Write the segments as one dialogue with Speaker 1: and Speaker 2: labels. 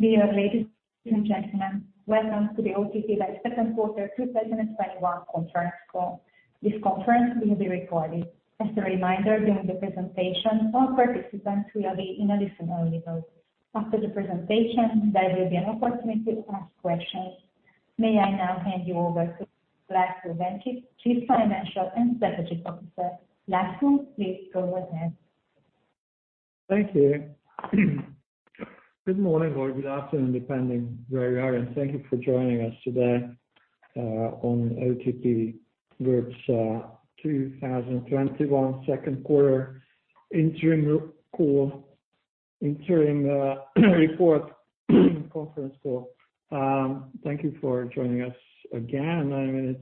Speaker 1: Dear ladies and gentlemen, welcome to the OTP Bank second quarter 2021 conference call. This conference will be recorded. As a reminder, during the presentation, all participants will be in a listen-only mode. After the presentation, there will be an opportunity to ask questions. May I now hand you over to László Bencsik, Chief Financial and Strategy Officer. László, please go ahead.
Speaker 2: Thank you. Good morning or good afternoon, depending where you are, and thank you for joining us today on OTP Group's 2021 second quarter interim report conference call. Thank you for joining us again.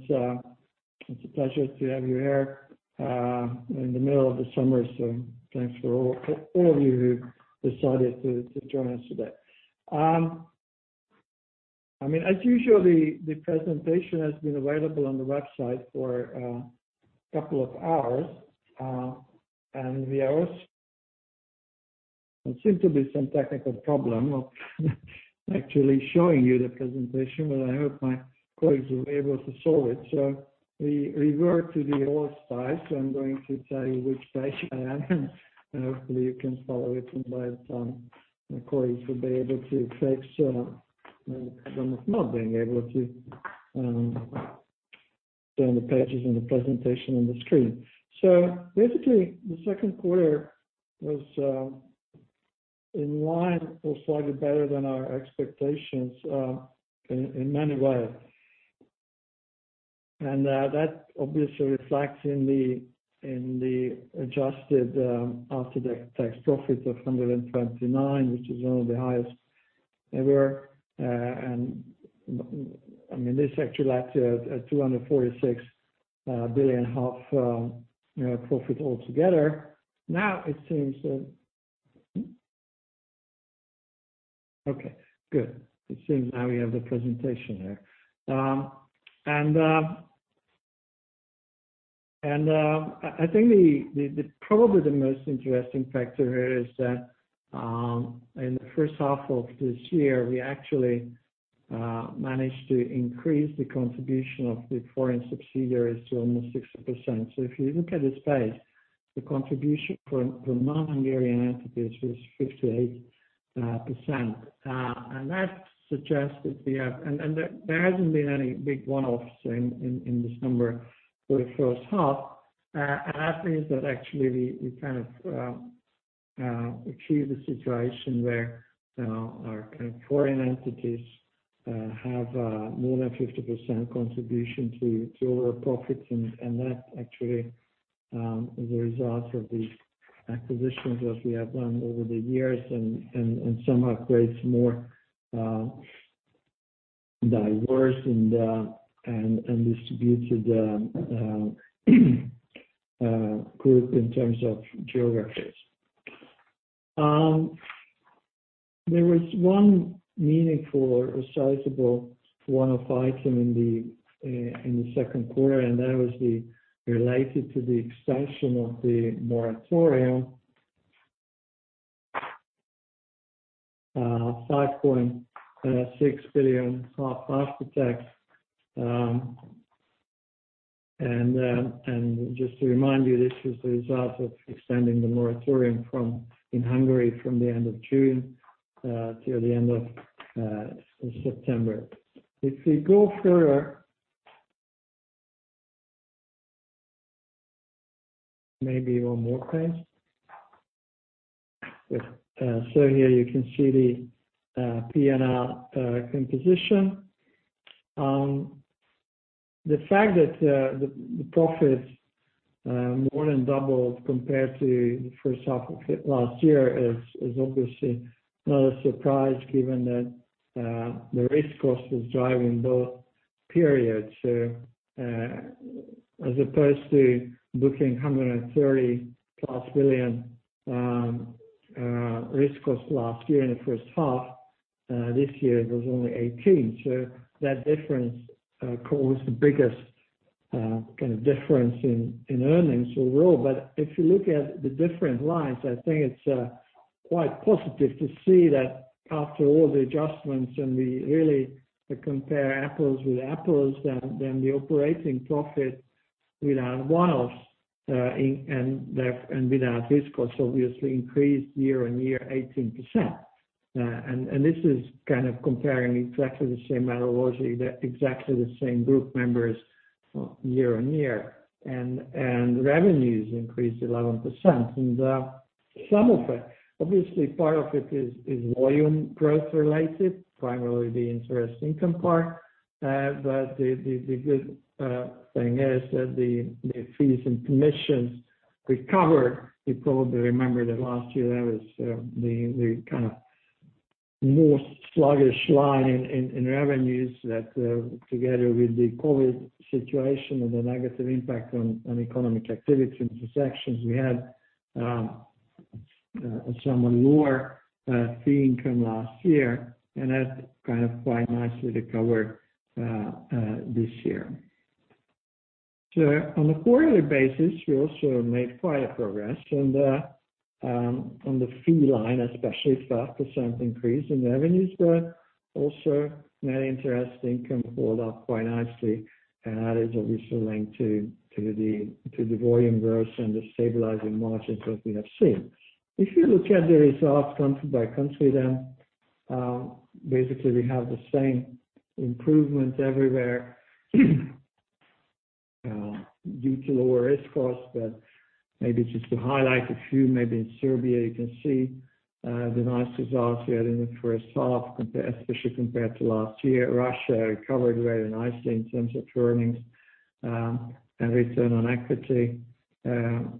Speaker 2: It's a pleasure to have you here in the middle of the summer, so thanks to all of you who decided to join us today. As usual, the presentation has been available on the website for a couple of hours. There seems to be some technical problem of actually showing you the presentation, but I hope my colleagues will be able to solve it. We revert to the old slides. I'm going to tell you which slide I'm on, and hopefully you can follow it, and by that time, my colleagues will be able to fix the problem of not being able to turn the pages in the presentation on the screen. Basically, the second quarter was in line or slightly better than our expectations in many ways. That obviously reflects in the adjusted after-tax profit of 129 billion, which is one of the highest ever. This actually adds to 246 billion half profit altogether. Now it seems that Okay, good. It seems now we have the presentation there. I think probably the most interesting factor here is that in the first half of this year, we actually managed to increase the contribution of the foreign subsidiaries to almost 60%. So if you look at this slide, the contribution from non-Hungarian entities was 58%, and there hasn't been any big one-offs in this number for the first half. That means that actually we achieved a situation where our foreign entities have more than 50% contribution to our profits, that actually is a result of the acquisitions that we have done over the years and somehow creates more diverse and distributed group in terms of geographies. There was one meaningful or sizable one-off item in the second quarter, that was related to the extension of the moratorium. HUF 5.6 billion after tax. Just to remind you, this was the result of extending the moratorium in Hungary from the end of June to the end of September. If we go through maybe one more page. Here you can see the P&L composition. The fact that the profit more than doubled compared to the first half of last year is obviously not a surprise given that the risk cost was driving both periods. As opposed to booking 130 billion+ risk cost last year in the first half, this year it was only 18 billion. That difference caused the biggest difference in earnings overall. If you look at the different lines, I think it's quite positive to see that after all the adjustments, and we really compare apples with apples, then the operating profit without one-offs and without risk cost obviously increased year-on-year 18%. This is kind of comparing exactly the same analogy, exactly the same group members year-on-year. Revenues increased 11%. Some of it, obviously part of it is volume growth related, primarily the interest income part. The good thing is that the fees and commissions recovered. You probably remember that last year that was the kind of more sluggish line in revenues that together with the COVID situation and the negative impact on economic activity restrictions, we had somewhat lower fee income last year, and that kind of quite nicely recovered this year. On a quarterly basis, we also made quite a progress on the fee line, especially 5% increase in revenues were also net interest income hold up quite nicely, and that is obviously linked to the volume growth and the stabilizing margins that we have seen. If you look at the results country by country, basically we have the same improvements everywhere due to lower risk costs, maybe just to highlight a few, maybe in Serbia you can see the nice results we had in the first half, especially compared to last year. Russia recovered very nicely in terms of earnings, and return on equity, and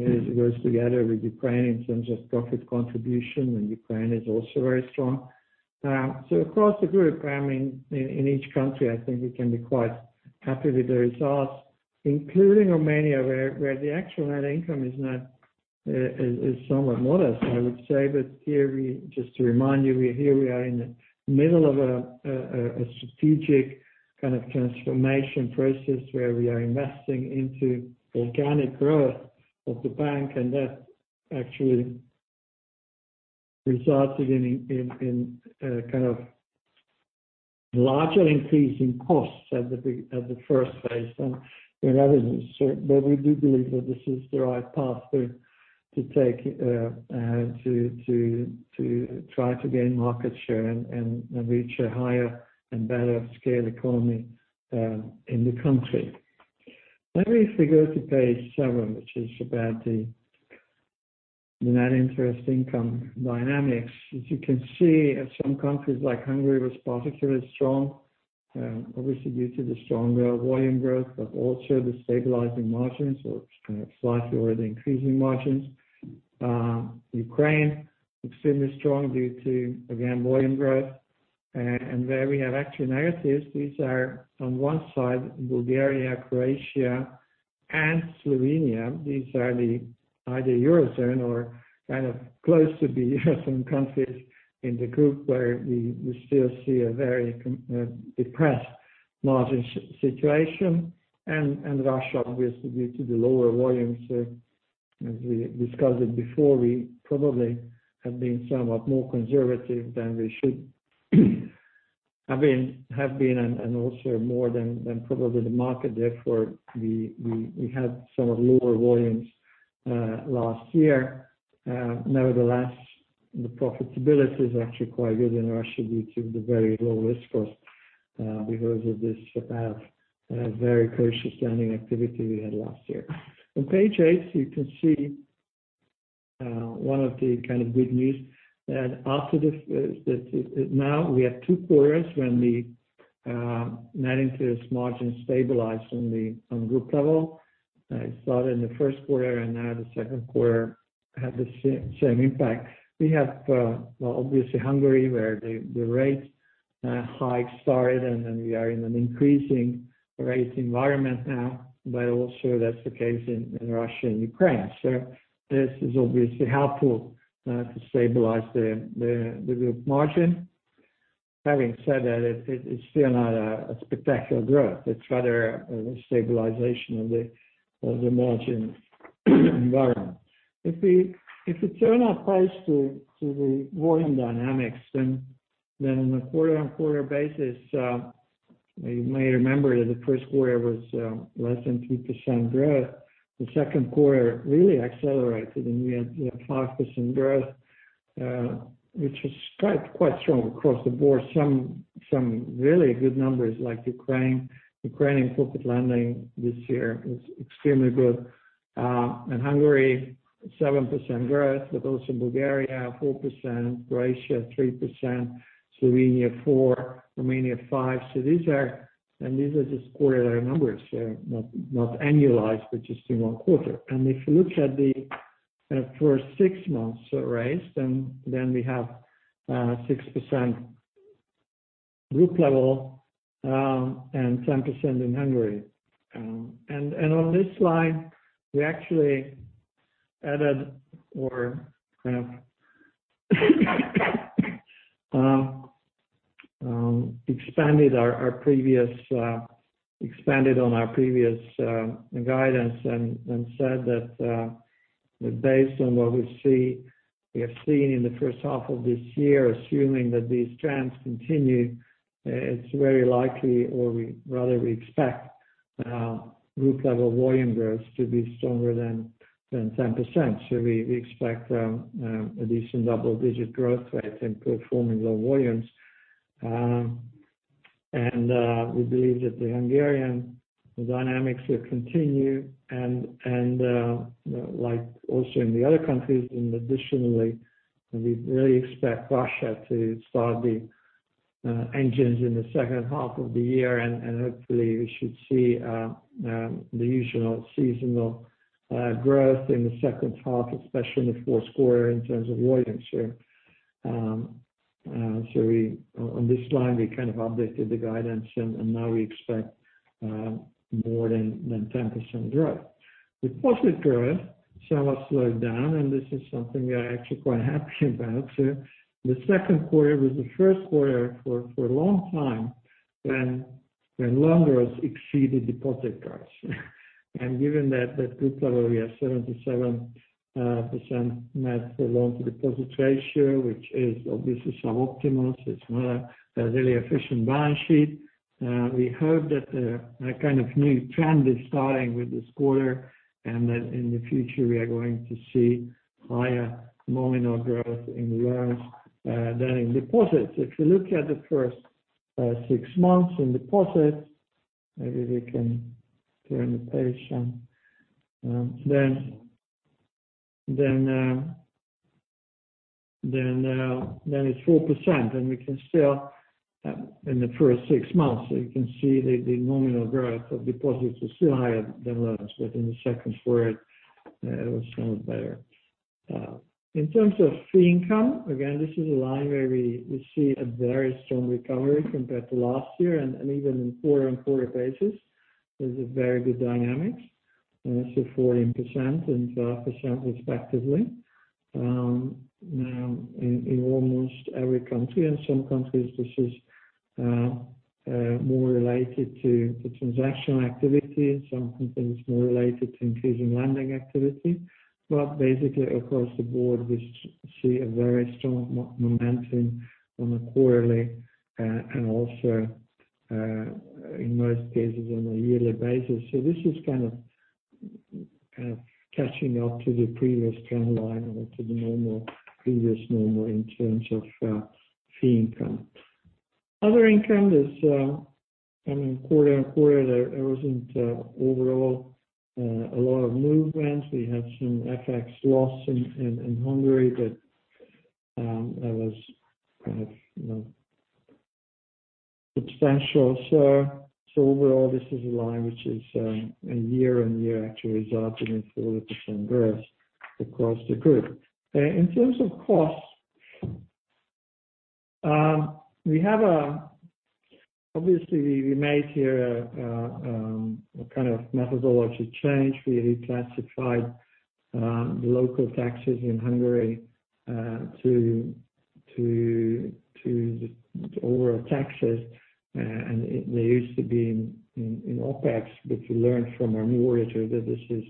Speaker 2: it goes together with Ukraine in terms of profit contribution, and Ukraine is also very strong. Across the group, in each country, I think we can be quite happy with the results, including Romania, where the actual net income is somewhat modest, I would say. Here, just to remind you, we are in the middle of a strategic kind of transformation process where we are investing into organic growth of the bank, and that actually resulted in a larger increase in costs at the first phase than in revenues. We do believe that this is the right path to take to try to gain market share and reach a higher and better scale economy in the country. If we go to page seven, which is about the net interest income dynamics. As you can see, some countries like Hungary was particularly strong, obviously due to the stronger volume growth, but also the stabilizing margins or kind of slightly already increasing margins. Ukraine, extremely strong due to, again, volume growth. Where we have actual negatives, these are on one side, Bulgaria, Croatia, and Slovenia. These are the either Eurozone or kind of close to the Eurozone countries in the group where we still see a very depressed margin situation. Russia, obviously due to the lower volumes as we discussed it before, we probably have been somewhat more conservative than we should have been and also more than probably the market. Therefore, we had somewhat lower volumes last year. Nevertheless, the profitability is actually quite good in Russia due to the very low risk cost because of this very cautious lending activity we had last year. On page eight, you can see one of the kind of good news that now we have two quarters when the net interest margin stabilized on group level. It started in the first quarter. Now the second quarter had the same impact. We have obviously Hungary, where the rates hike started. Then we are in an increasing rate environment now. Also that's the case in Russia and Ukraine. This is obviously helpful to stabilize the group margin. Having said that, it's still not a spectacular growth. It's rather a stabilization of the margin environment. If we turn our page to the volume dynamics, on a quarter-on-quarter basis, you may remember that the first quarter was less than 3% growth. The second quarter really accelerated. We had 5% growth, which is quite strong across the board. Some really good numbers like Ukraine. Ukrainian corporate lending this year is extremely good. Hungary, 7% growth, but also Bulgaria, 4%, Croatia, 3%, Slovenia, 4%, Romania, 5%. These are just quarterly numbers, not annualized, but just in one quarter. If you look at the first six months rates, we have 6% group level, and 10% in Hungary. On this slide, we actually added or kind of expanded on our previous guidance and said that based on what we have seen in the first half of this year, assuming that these trends continue, it's very likely, or rather, we expect group level volume growth to be stronger than 10%. We expect a decent double-digit growth rates and good performance on volumes. We believe that the Hungarian dynamics will continue and like also in the other countries. Additionally, we really expect Russia to start the engines in the second half of the year, and hopefully we should see the usual seasonal growth in the second half, especially in the fourth quarter, in terms of volumes. On this slide, we kind of updated the guidance, and now we expect more than 10% growth. Deposit growth sales slowed down, and this is something we are actually quite happy about. The second quarter was the first quarter for a long time when loans exceeded deposit growth. Given that at group level, we have 77% net loan-to-deposit ratio, which is obviously sub-optimal. It's not a really efficient balance sheet. We hope that a new trend is starting with this quarter, and that in the future, we are going to see higher nominal growth in loans than in deposits. If you look at the first six months in deposits, maybe we can turn the page some. It's 4%, and we can still, in the first six months, so you can see the nominal growth of deposits is still higher than loans, but in the second quarter, it was somewhat better. In terms of fee income, again, this is a line where we see a very strong recovery compared to last year, and even in quarter-on-quarter basis, there's a very good dynamic. 14% and 12% respectively. In almost every country, and some countries, this is more related to the transactional activity, in some countries, more related to increasing lending activity. Basically, across the board, we see a very strong momentum on a quarterly and also, in most cases, on a yearly basis. This is kind of catching up to the previous trend line or to the previous normal in terms of fee income. Other income is kind of quarter-on-quarter. There wasn't overall a lot of movements. We had some FX loss in Hungary, but that was substantial. Overall, this is a line which is a year-on-year actually resulted in 4% growth across the group. In terms of costs, obviously, we made here a kind of methodology change. We reclassified the local taxes in Hungary to overall taxes, and they used to be in OpEx, but we learned from our new auditor that this is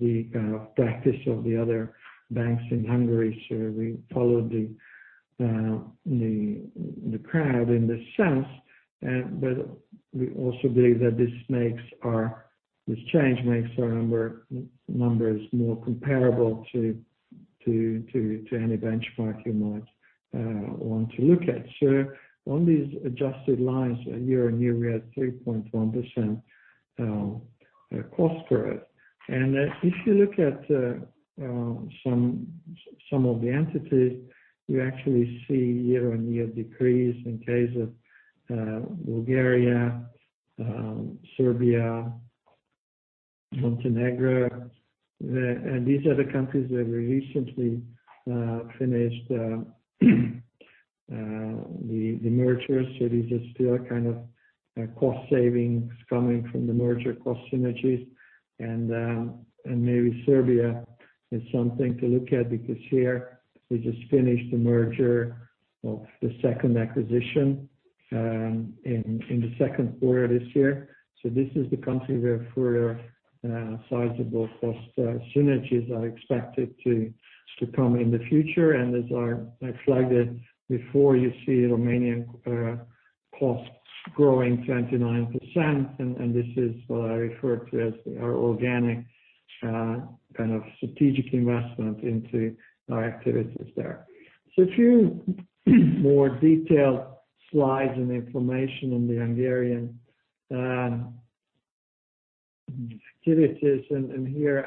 Speaker 2: the practice of the other banks in Hungary. We followed the crowd in this sense. We also believe that this change makes our numbers more comparable to any benchmark you might want to look at. On these adjusted lines, year-on-year, we had 3.1% cost growth. If you look at some of the entities, you actually see year-on-year decrease in case of Bulgaria, Serbia, Montenegro. These are the countries where we recently finished the merger. These are still kind of cost savings coming from the merger cost synergies. Maybe Serbia is something to look at because here we just finished the merger of the second acquisition in the second quarter this year. This is the country where further sizable cost synergies are expected to come in the future. As I flagged it before you see Romanian costs growing 29%, and this is what I refer to as our organic strategic investment into our activities there. A few more detailed slides and information on the Hungarian activities. Here,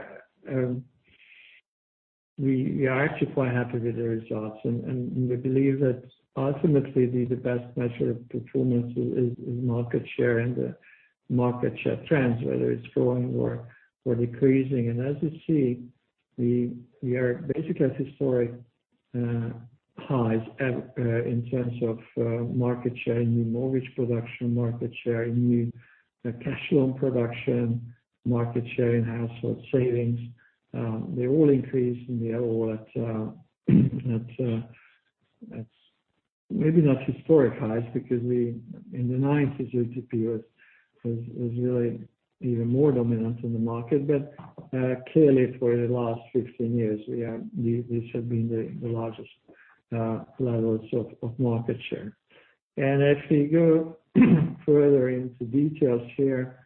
Speaker 2: we are actually quite happy with the results, and we believe that ultimately, the best measure of performance is market share and the market share trends, whether it's growing or decreasing. As you see, we are basically at historic highs in terms of market share in new mortgage production, market share in new cash loan production, market share in household savings. They all increased, and they are all at maybe not historic highs because in the 1990s, OTP was really even more dominant in the market. Clearly, for the last 15 years, these have been the largest levels of market share. If we go further into details here,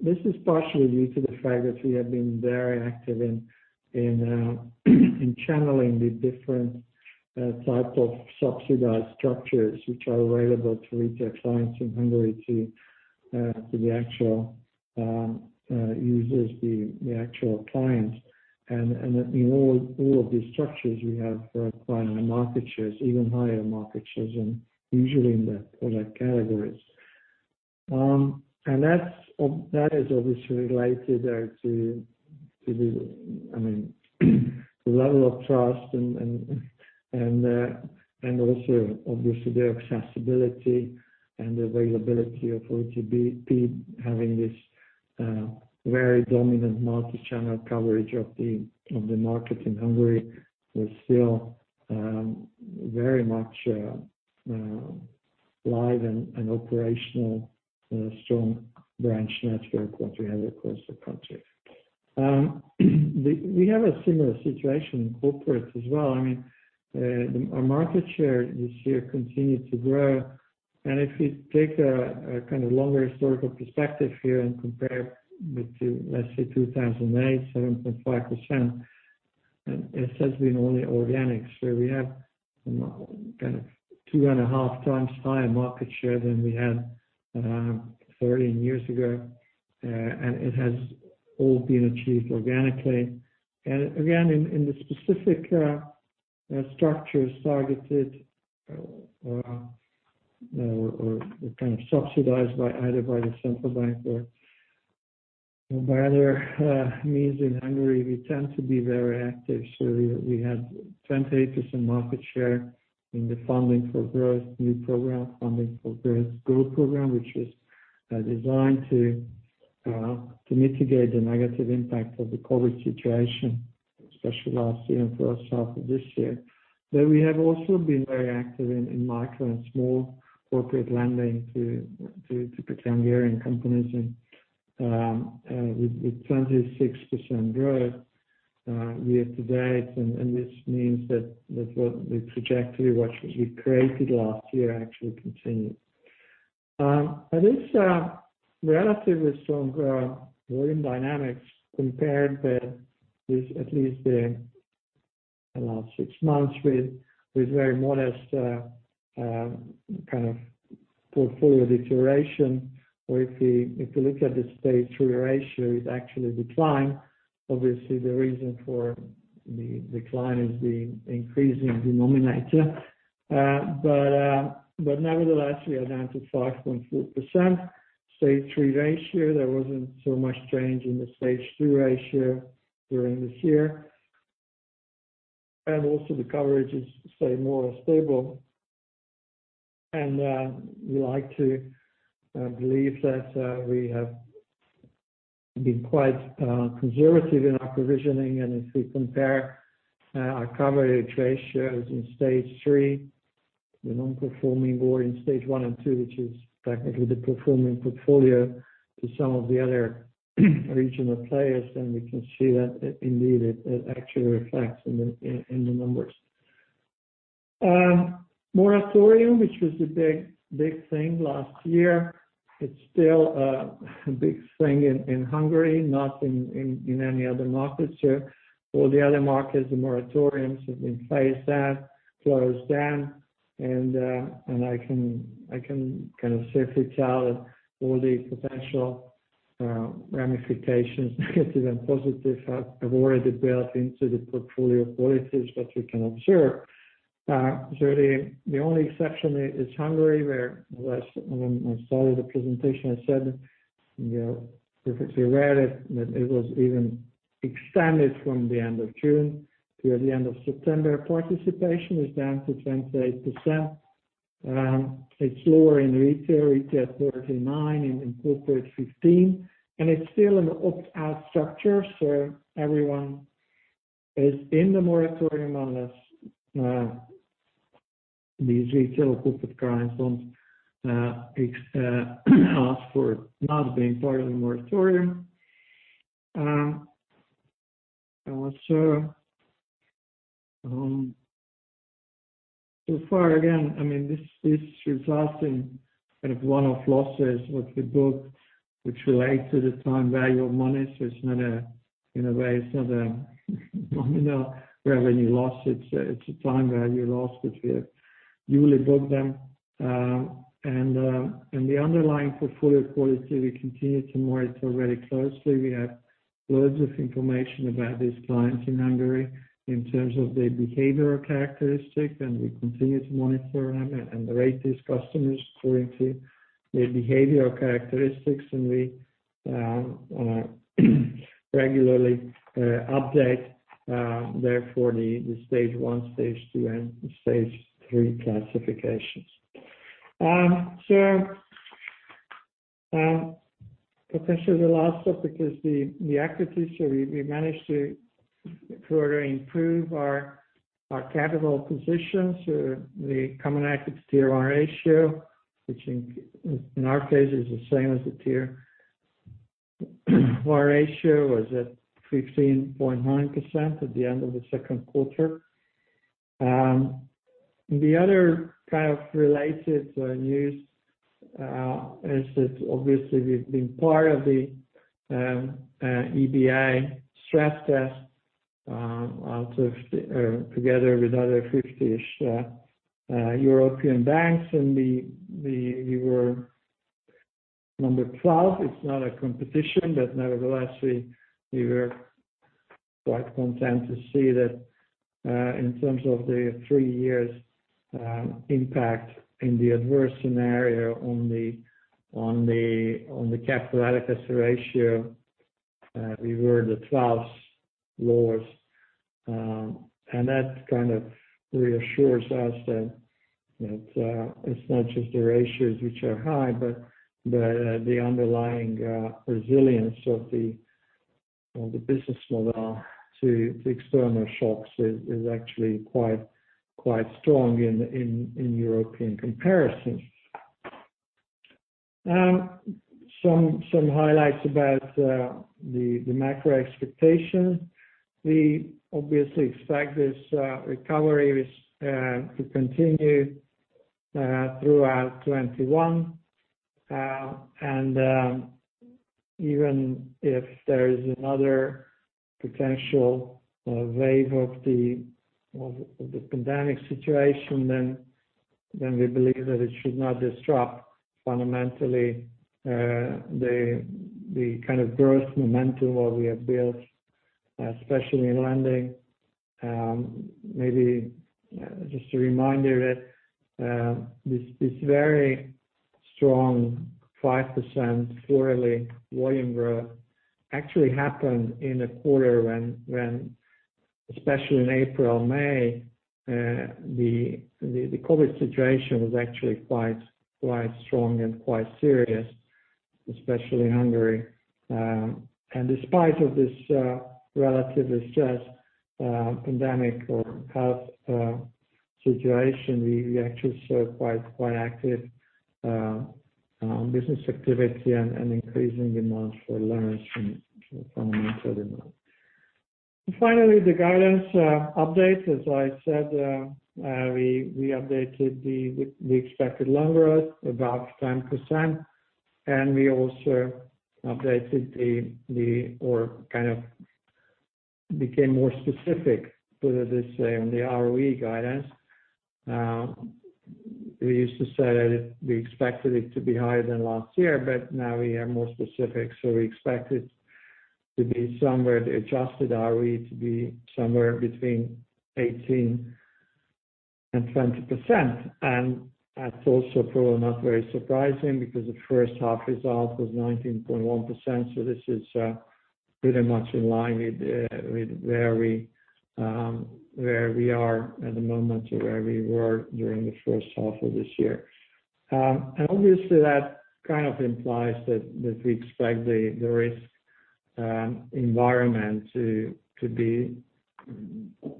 Speaker 2: this is partially due to the fact that we have been very active in channeling the different types of subsidized structures which are available to retail clients in Hungary to the actual users, the actual clients. In all of these structures, we have acquired market shares, even higher market shares than usually in the product categories. That is obviously related to the level of trust and also, obviously, the accessibility and availability of OTP having this very dominant multi-channel coverage of the market in Hungary is still very much live and operational in a strong branch network that we have across the country. We have a similar situation in corporate as well. Our market share this year continued to grow. If you take a longer historical perspective here and compare with, let's say, 2008, 7.5%, this has been only organic. We have 2.5x higher market share than we had 13 years ago, and it has all been achieved organically. Again, in the specific structures targeted or kind of subsidized by either by the central bank or by other means in Hungary, we tend to be very active. We have 28% market share in the Funding for Growth new program, Funding for Growth Go! program, which was designed to mitigate the negative impact of the COVID situation, especially last year and for the first half of this year. We have also been very active in micro and small corporate lending to particular Hungarian companies and with 26% growth year to date. This means that the trajectory which we created last year actually continued. It's a relatively strong volume dynamics compared with at least the last six months with very modest portfolio deterioration, or if you look at the Stage 3 ratio, it actually declined. Obviously, the reason for the decline is the increasing denominator. Nevertheless, we are down to 5.4% Stage 3 ratio. There wasn't so much change in the Stage 2 ratio during this year. Also the coverage has stayed more stable. We like to believe that we have been quite conservative in our provisioning, and if we compare our coverage ratios in Stage 3, the non-performing or in Stage 1 and 2, which is technically the performing portfolio, to some of the other regional players, then we can see that indeed it actually reflects in the numbers. Moratorium, which was the big thing last year. It's still a big thing in Hungary, not in any other markets. For the other markets, the moratoriums have been phased out, closed down, and I can safely tell that all the potential ramifications if even positive, have already built into the portfolio qualities that we can observe. The only exception is Hungary, where when I started the presentation, I said, and you have perfectly read it, that it was even extended from the end of June to the end of September. Participation is down to 28%. It's lower in retail 39%, in corporate 15%, and it's still an opt-out structure, so everyone is in the moratorium unless these retail corporate clients don't ask for not being part of the moratorium. Far, again, this results in one-off losses with the book, which relate to the time value of money. It's not a revenue loss. It's a time value loss, which we have duly booked them. The underlying portfolio quality, we continue to monitor very closely. We have loads of information about these clients in Hungary in terms of their behavioral characteristics, and we continue to monitor them and rate these customers according to their behavioral characteristics, and we regularly update, therefore, the Stage 1, Stage 2, and Stage 3 classifications. Potentially the last topic is the equity. We managed to further improve our capital position. The Common Equity Tier 1 ratio, which in our case is the same as the Tier 1 ratio, was at 15.9% at the end of the second quarter. The other kind of related news is that obviously we've been part of the EBA stress test together with other 50-ish European banks, and we were number 12. It's not a competition, but nevertheless, we were quite content to see that in terms of the three years impact in the adverse scenario on the capital adequacy ratio, we were the 12th lowest. That kind of reassures us that it's not just the ratios which are high, but the underlying resilience of the business model to the external shocks is actually quite strong in European comparison. Some highlights about the macro expectation. We obviously expect this recovery to continue throughout 2021. Even if there is another potential wave of the pandemic situation, then we believe that it should not disrupt fundamentally the kind of growth momentum what we have built, especially in lending. Maybe just a reminder that this very strong 5% quarterly volume growth actually happened in a quarter when, especially in April, May, the COVID situation was actually quite strong and quite serious, especially in Hungary. Despite of this relatively stressed pandemic or health situation, we actually saw quite active business activity and increasing demand for loans from fundamental demand. Finally, the guidance update, as I said, we updated the expected loan growth, about 10%, and we also updated or became more specific with the ROE guidance. We used to say that we expected it to be higher than last year, but now we are more specific. We expect the adjusted ROE to be somewhere between 18% and 20%. That's also probably not very surprising because the first half result was 19.1%, so this is pretty much in line with where we are at the moment or where we were during the first half of this year. Obviously, that kind of implies that we expect the risk environment to be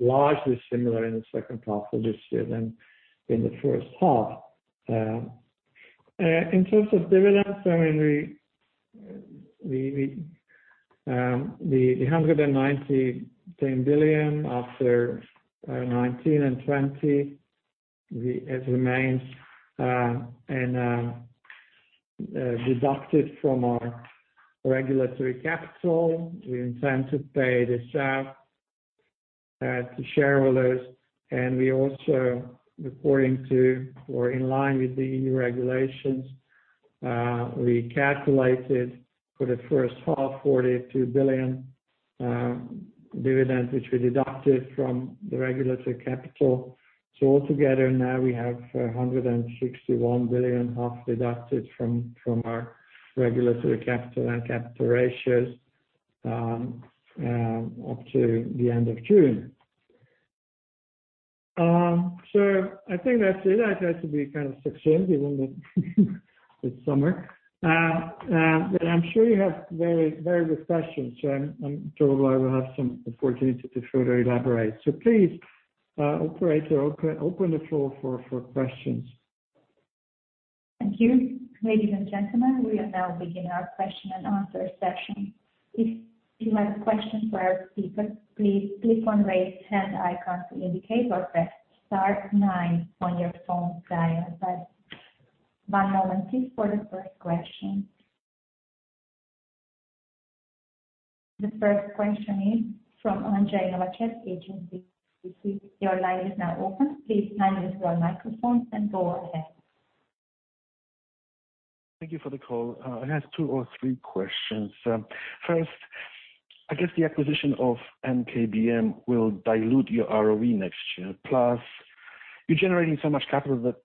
Speaker 2: largely similar in the second half of this year than in the first half. In terms of dividends, the HUF 19 billion after 2019 and 2020, it remains and deducted from our regulatory capital. We intend to pay this out to shareholders, and we also, according to or in line with the EU regulations, recalculated for the first half, 42 billion dividends, which we deducted from the regulatory capital. Altogether now we have 161 billion half deducted from our regulatory capital and capital ratios up to the end of June. I think that's it. I tried to be kind of succinct, even though it's summer. I'm sure you have very good questions, so I'm sure I will have some opportunity to further elaborate. Please, operator, open the floor for questions.
Speaker 1: Thank you. Ladies and gentlemen, we now begin our question and answer session. If you have questions for our speakers, please click on the raise hand icon to indicate or press star nine on your phone dial pad. One moment please for the first question. The first question is from Andrzej Nowaczek, HSBC. Your line is now open. Please unmute your microphone and go ahead.
Speaker 3: Thank you for the call. I have two or three questions. First, I guess the acquisition of NKBM will dilute your ROE next year. Plus, you are generating so much capital that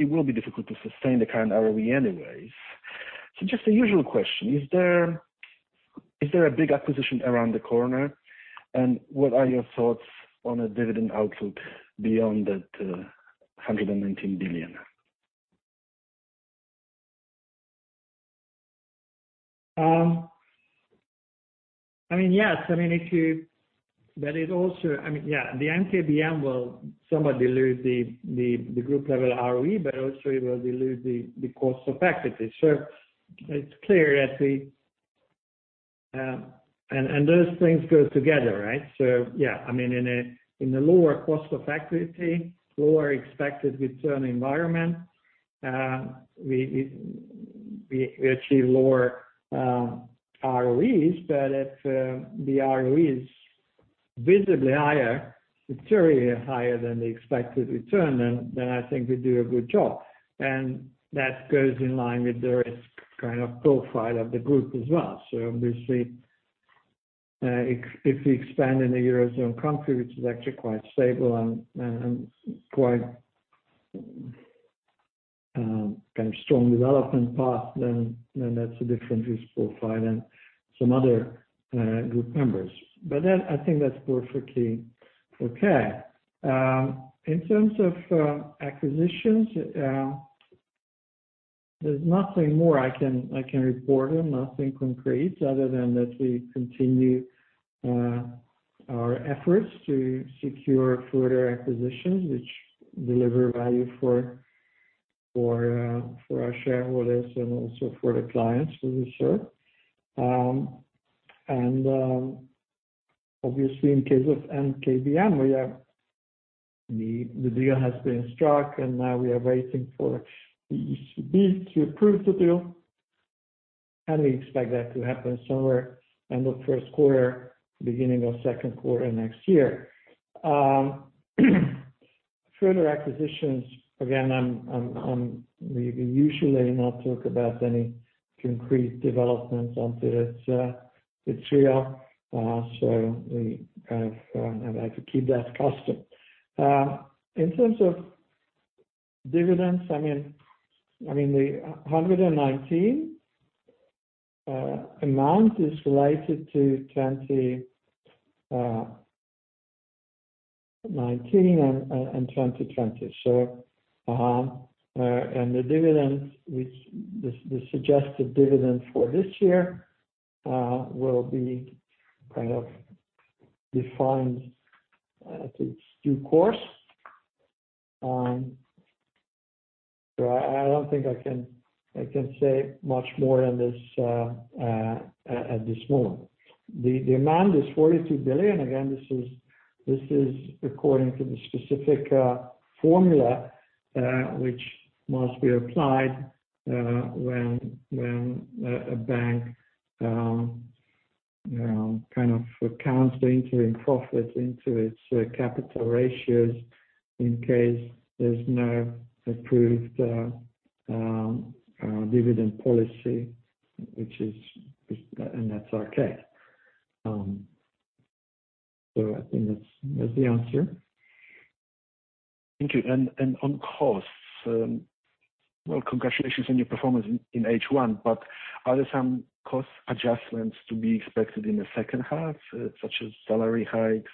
Speaker 3: it will be difficult to sustain the current ROE anyways. Just the usual question, is there a big acquisition around the corner, and what are your thoughts on a dividend outlook beyond that 119 billion?
Speaker 2: Yes. The NKBM will somewhat dilute the group level ROE, but also it will dilute the cost of equity. It's clear that those things go together, right? Yeah, in the lower cost of equity, lower expected return environment, we achieve lower ROEs. If the ROE is visibly higher, materially higher than the expected return, I think we do a good job. That goes in line with the risk kind of profile of the group as well. Obviously, if we expand in a Eurozone country, which is actually quite stable and quite kind of strong development path, that's a different risk profile than some other group members. I think that's perfectly okay. In terms of acquisitions, there's nothing more I can report here, nothing concrete other than that we continue our efforts to secure further acquisitions which deliver value for our shareholders and also for the clients who we serve. Obviously in case of NKBM, the deal has been struck, and now we are waiting for the ECB to approve the deal. We expect that to happen somewhere end of Q1, beginning of Q2 next year. Further acquisitions, again, we usually not talk about any concrete developments until it's real. We kind of have had to keep that custom. In terms of dividends, the 119 amount is related to 2019 and 2020. The suggested dividend for this year will be kind of defined at its due course. I don't think I can say much more at this moment. The amount is 42 billion. This is according to the specific formula which must be applied when a bank kind of accounts the interim profit into its capital ratios in case there's no approved dividend policy, and that's okay. I think that's the answer.
Speaker 3: Thank you. On costs, well, congratulations on your performance in H1, but are there some cost adjustments to be expected in the second half, such as salary hikes,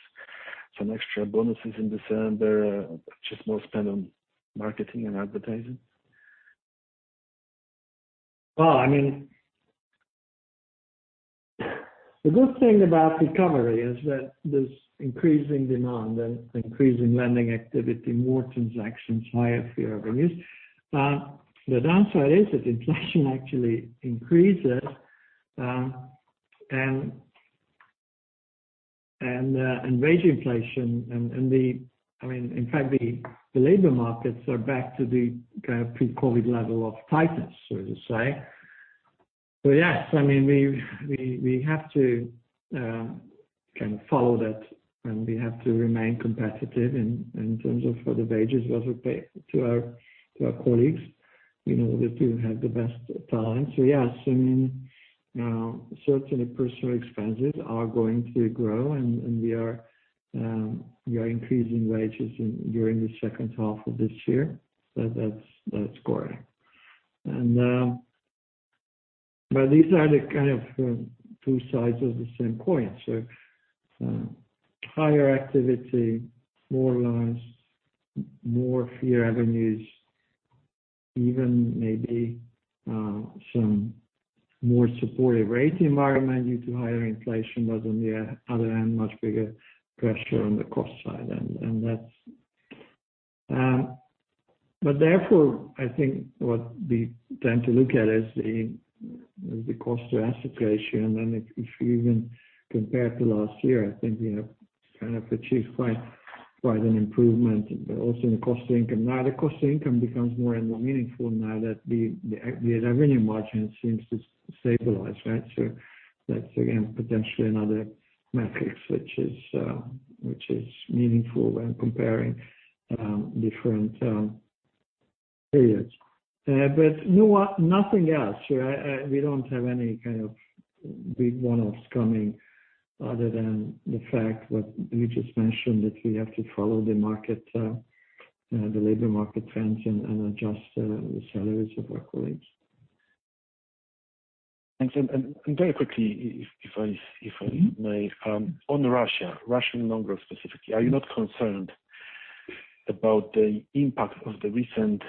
Speaker 3: some extra bonuses in December, just more spend on marketing and advertising?
Speaker 2: The good thing about recovery is that there's increasing demand and increasing lending activity, more transactions, higher fee revenues. The downside is that inflation actually increases and wage inflation. In fact, the labor markets are back to the pre-COVID level of tightness, so to say. Yes, we have to kind of follow that, and we have to remain competitive in terms of the wages that we pay to our colleagues in order to have the best talent. Yes, certainly personal expenses are going to grow, and we are increasing wages during the second half of this year. That's correct. These are the kind of two sides of the same coin. Higher activity, more loans, more fee revenues, even maybe some more supportive rate environment due to higher inflation. On the other hand, much bigger pressure on the cost side. Therefore, I think what we tend to look at is the cost to asset ratio. If you even compare to last year, I think we have kind of achieved quite an improvement, but also in the cost to income. The cost to income becomes more and more meaningful now that the revenue margin seems to stabilize, right? That's again, potentially another metric which is meaningful when comparing different periods. Nothing else. We don't have any kind of big one-offs coming other than the fact what you just mentioned, that we have to follow the labor market trends and adjust the salaries of our colleagues.
Speaker 3: Thanks. Very quickly, if I may. On Russia, Russian loan growth specifically, are you not concerned about the impact of the recent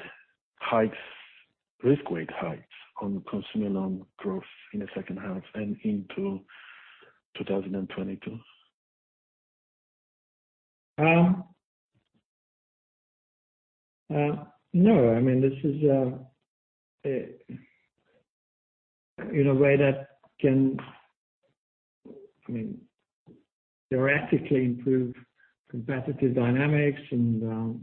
Speaker 3: risk weight hikes on consumer loan growth in the second half and into 2022?
Speaker 2: No. This is a way that can theoretically improve competitive dynamics and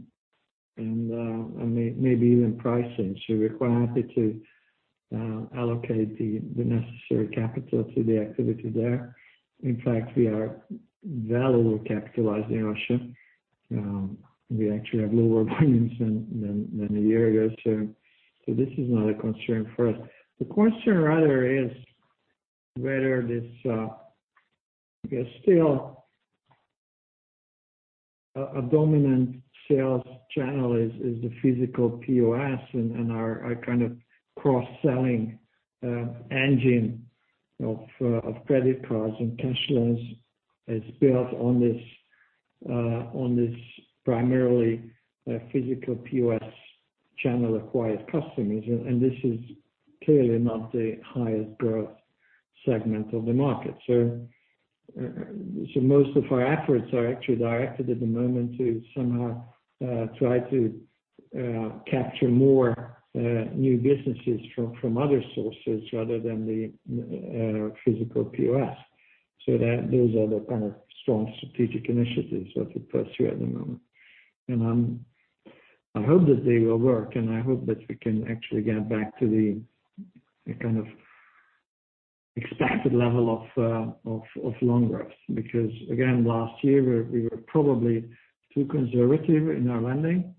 Speaker 2: maybe even pricing. We're quite happy to allocate the necessary capital to the activity there. In fact, we are well capitalized in Russia. We actually have lower volumes than a year ago. This is not a concern for us. The concern rather is a dominant sales channel is the physical POS and our kind of cross-selling engine of credit cards and cash loans is built on this primarily physical POS channel acquired customers. Clearly, it's not the highest growth segment of the market. Most of our efforts are actually directed at the moment to somehow try to capture more new businesses from other sources rather than the physical POS. Those are the kind of strong strategic initiatives that we pursue at the moment. I hope that they will work, and I hope that we can actually get back to the kind of expected level of loan growth. Again, last year, we were probably too conservative in our lending,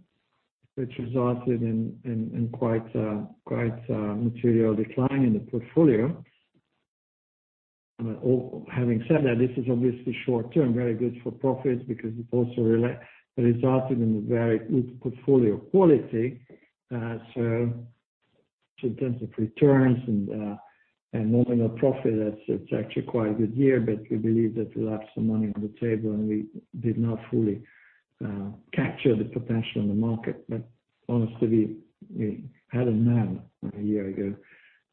Speaker 2: which resulted in quite a material decline in the portfolio. Having said that, this is obviously short-term, very good for profits because it also resulted in a very good portfolio quality. In terms of returns and moving our profit, it's actually quite a good year, but we believe that we left some money on the table, and we did not fully capture the potential in the market. Honestly, we hadn't known a year ago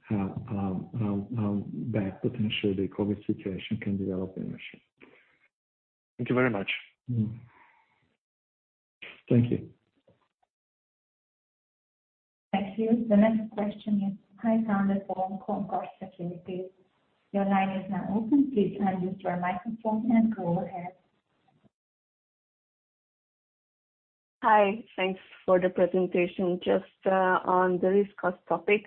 Speaker 2: how bad potentially the COVID situation can develop in Russia.
Speaker 3: Thank you very much.
Speaker 2: Thank you.
Speaker 1: Thank you. The next question is from Concorde Securities. Your line is now open. Please unmute your microphone and go ahead.
Speaker 4: Hi, thanks for the presentation. Just on the risk cost topic.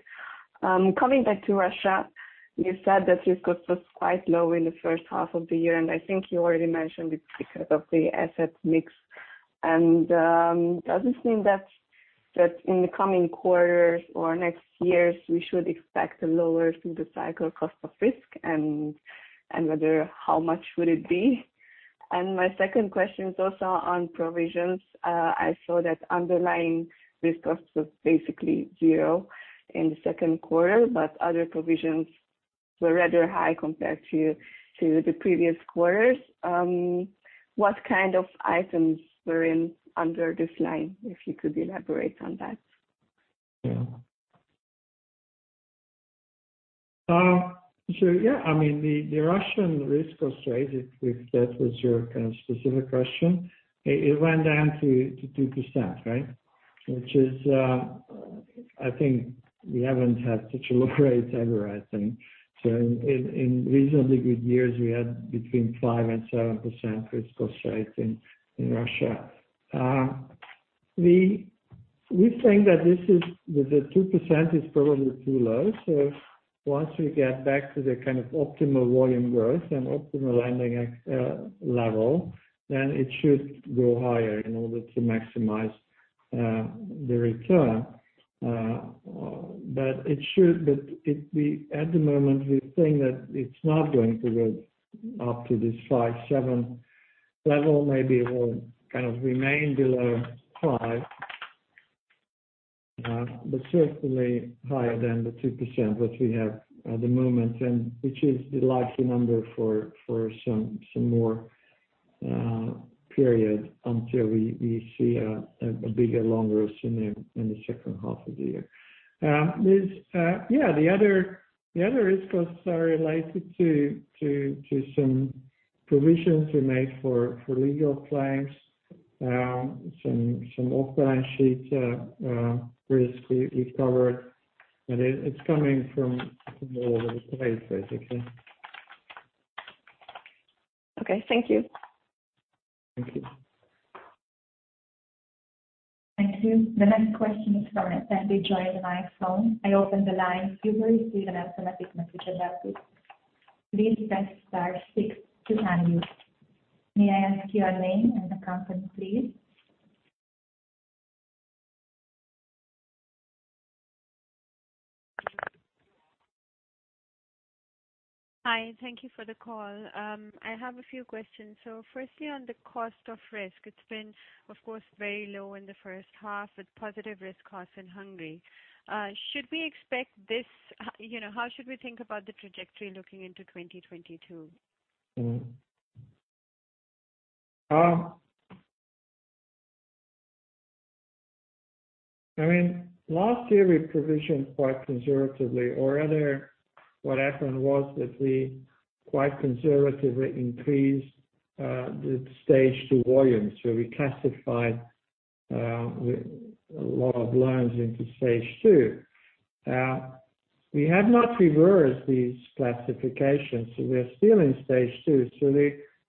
Speaker 4: Coming back to Russia, you said that risk cost was quite low in the first half of the year, I think you already mentioned it's because of the asset mix. Does this mean that in the coming quarters or next years, we should expect a lower through-the-cycle cost of risk and whether how much would it be? My second question is also on provisions. I saw that underlying risk costs was basically zero in the second quarter, other provisions were rather high compared to the previous quarters. What kind of items were under this line, if you could elaborate on that?
Speaker 2: Yeah, yeah, I mean, the Russian risk cost rate, if that was your kind of specific question, it went down to 2%, right? Which is, I think we haven't had such a low rate ever, I think. In reasonably good years, we had between 5% and 7% risk cost rate in Russia. We think that the 2% is probably too low. Once we get back to the kind of optimal volume growth and optimal lending level, it should go higher in order to maximize the return. At the moment, we think that it's not going to go up to this 5%-7% level. Maybe it will kind of remain below 5%. Certainly higher than the 2% which we have at the moment, and which is the likely number for some more period until we see a bigger loan growth in the second half of the year. The other risk costs are related to some provisions we made for legal claims. Some off-balance sheet risk we covered, but it's coming from all over the place, basically.
Speaker 4: Okay. Thank you.
Speaker 2: Thank you.
Speaker 1: Thank you. The next question is from joined on the microphone. I open the line. [inaudible] May I ask your name and the company, please?
Speaker 5: Hi, thank you for the call. I have a few questions. Firstly, on the cost of risk, it's been, of course, very low in the first half with positive risk costs in Hungary. How should we think about the trajectory looking into 2022?
Speaker 2: I mean, last year, we provisioned quite conservatively, or rather, what happened was that we quite conservatively increased the Stage 2 volumes, so we classified a lot of loans into Stage 2. We have not reversed these classifications, so we're still in Stage 2.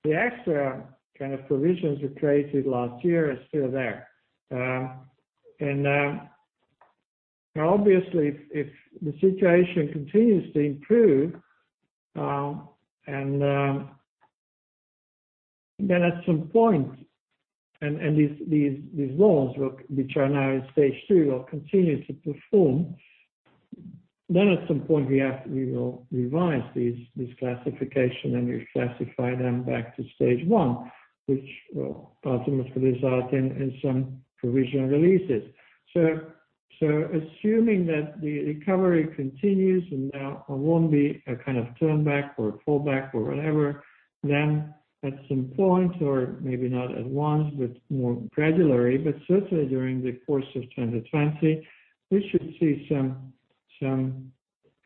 Speaker 2: The extra kind of provisions we created last year are still there. Obviously, if the situation continues to improve, and these loans which are now in Stage 2, will continue to perform. Then at some point, we will revise these classification and reclassify them back to Stage 1, which will ultimately result in some provisional releases. Assuming that the recovery continues and there won't be a kind of turn back or fallback or whatever, then at some point, or maybe not at once, but more gradually, but certainly during the course of 2020, we should see some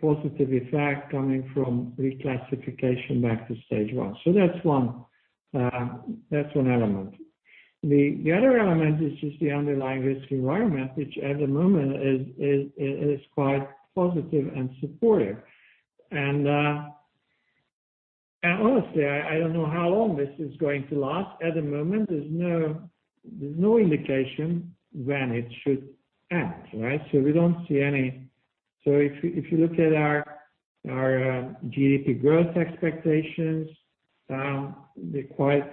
Speaker 2: positive effect coming from reclassification back to Stage 1. That's one element. The other element is just the underlying risk environment, which at the moment is quite positive and supportive. Honestly, I don't know how long this is going to last. At the moment, there's no indication when it should end, right? If you look at our GDP growth expectations, they're quite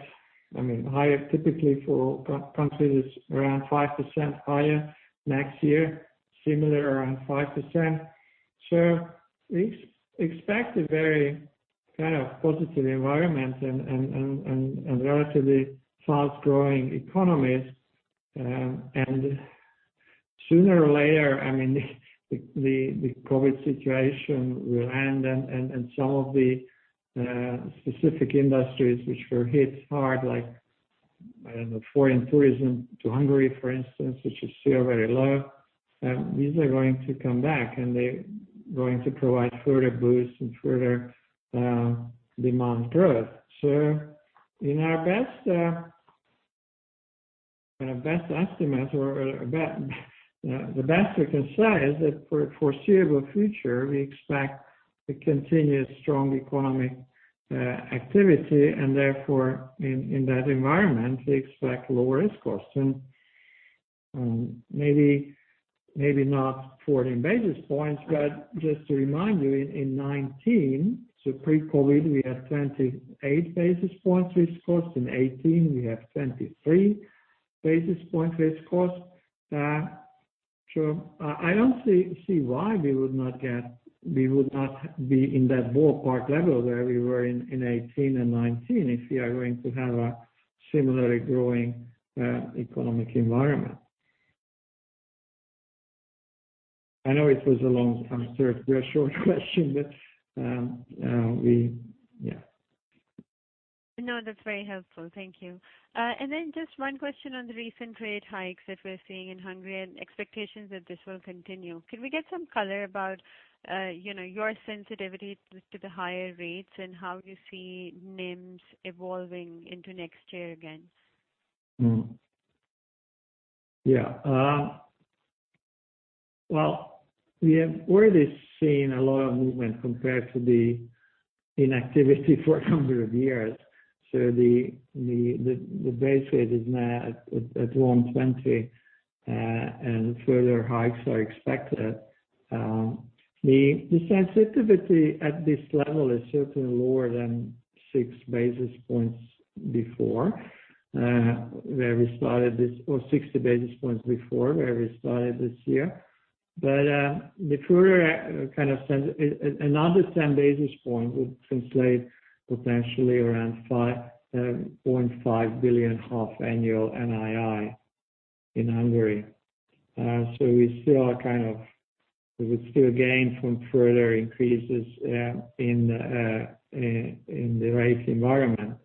Speaker 2: higher typically for countries around 5% higher. Next year, similar, around 5%. We expect a very kind of positive environment and relatively fast-growing economies. Sooner or later, the COVID situation will end and some of the specific industries which were hit hard, like, I don't know, foreign tourism to Hungary, for instance, which is still very low, these are going to come back, and they're going to provide further boost and further demand growth. In our best estimates, or the best we can say is that for foreseeable future, we expect a continuous strong economic activity and therefore in that environment. We expect lower risk costs and maybe not 14 basis points, but just to remind you, in 2019, so pre-COVID, we had 28 basis points risk cost. In 2018, we had 23 basis points risk cost. I don't see why we would not be in that ballpark level where we were in 2018 and 2019 if we are going to have a similarly growing economic environment. I know it was a long answer to a short question, but yeah.
Speaker 5: No, that's very helpful. Thank you. Just one question on the recent rate hikes that we're seeing in Hungary and expectations that this will continue. Could we get some color about your sensitivity to the higher rates and how you see NIMs evolving into next year again?
Speaker 2: Well, we have really seen a lot of movement compared to the inactivity for 100 years. The base rate is now at 120, and further hikes are expected. The sensitivity at this level is certainly lower than 6 basis points before, where we started this, or 60 basis points before, where we started this year. Another 10 basis point would translate potentially around 5.5 billion half annual NII in Hungary. We would still gain for further increases in the right environment.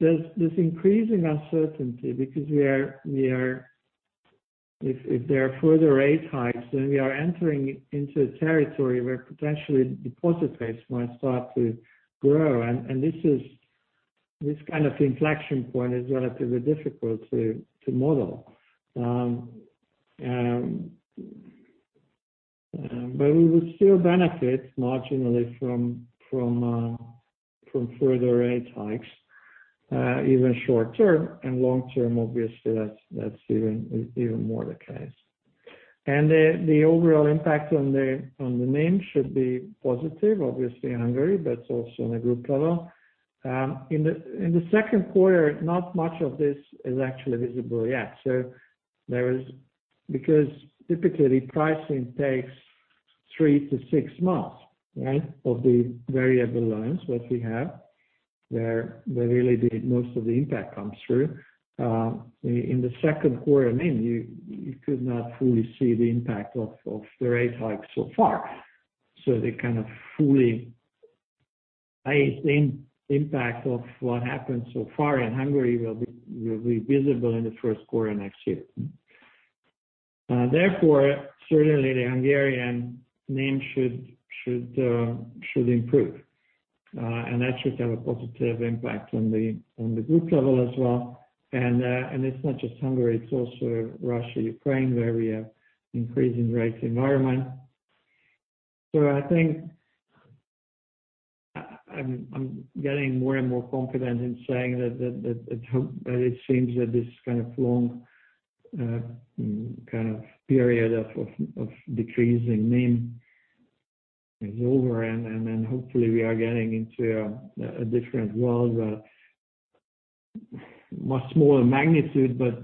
Speaker 2: There's increasing uncertainty because if there are further rate hikes, then we are entering into a territory where potentially deposit rates might start to grow, and this kind of inflection point is relatively difficult to model. We would still benefit marginally from further rate hikes, even short term and long term, obviously, that's even more the case. The overall impact on the NIM should be positive, obviously in Hungary, but also in the group level. In the second quarter, not much of this is actually visible yet. Typically pricing takes three to six months, right, of the variable loans that we have, where really most of the impact comes through. In the second quarter NIM, you could not fully see the impact of the rate hike so far. The kind of fully impact of what happened so far in Hungary will be visible in the first quarter next year. Therefore, certainly the Hungarian NIM should improve. That should have a positive impact on the group level as well. It's not just Hungary, it's also Russia, Ukraine, where we have increasing rates environment. I think I'm getting more and more confident in saying that it seems that this kind of long kind of period of decreasing NIM is over and then hopefully we are getting into a different world where. Much smaller magnitude, but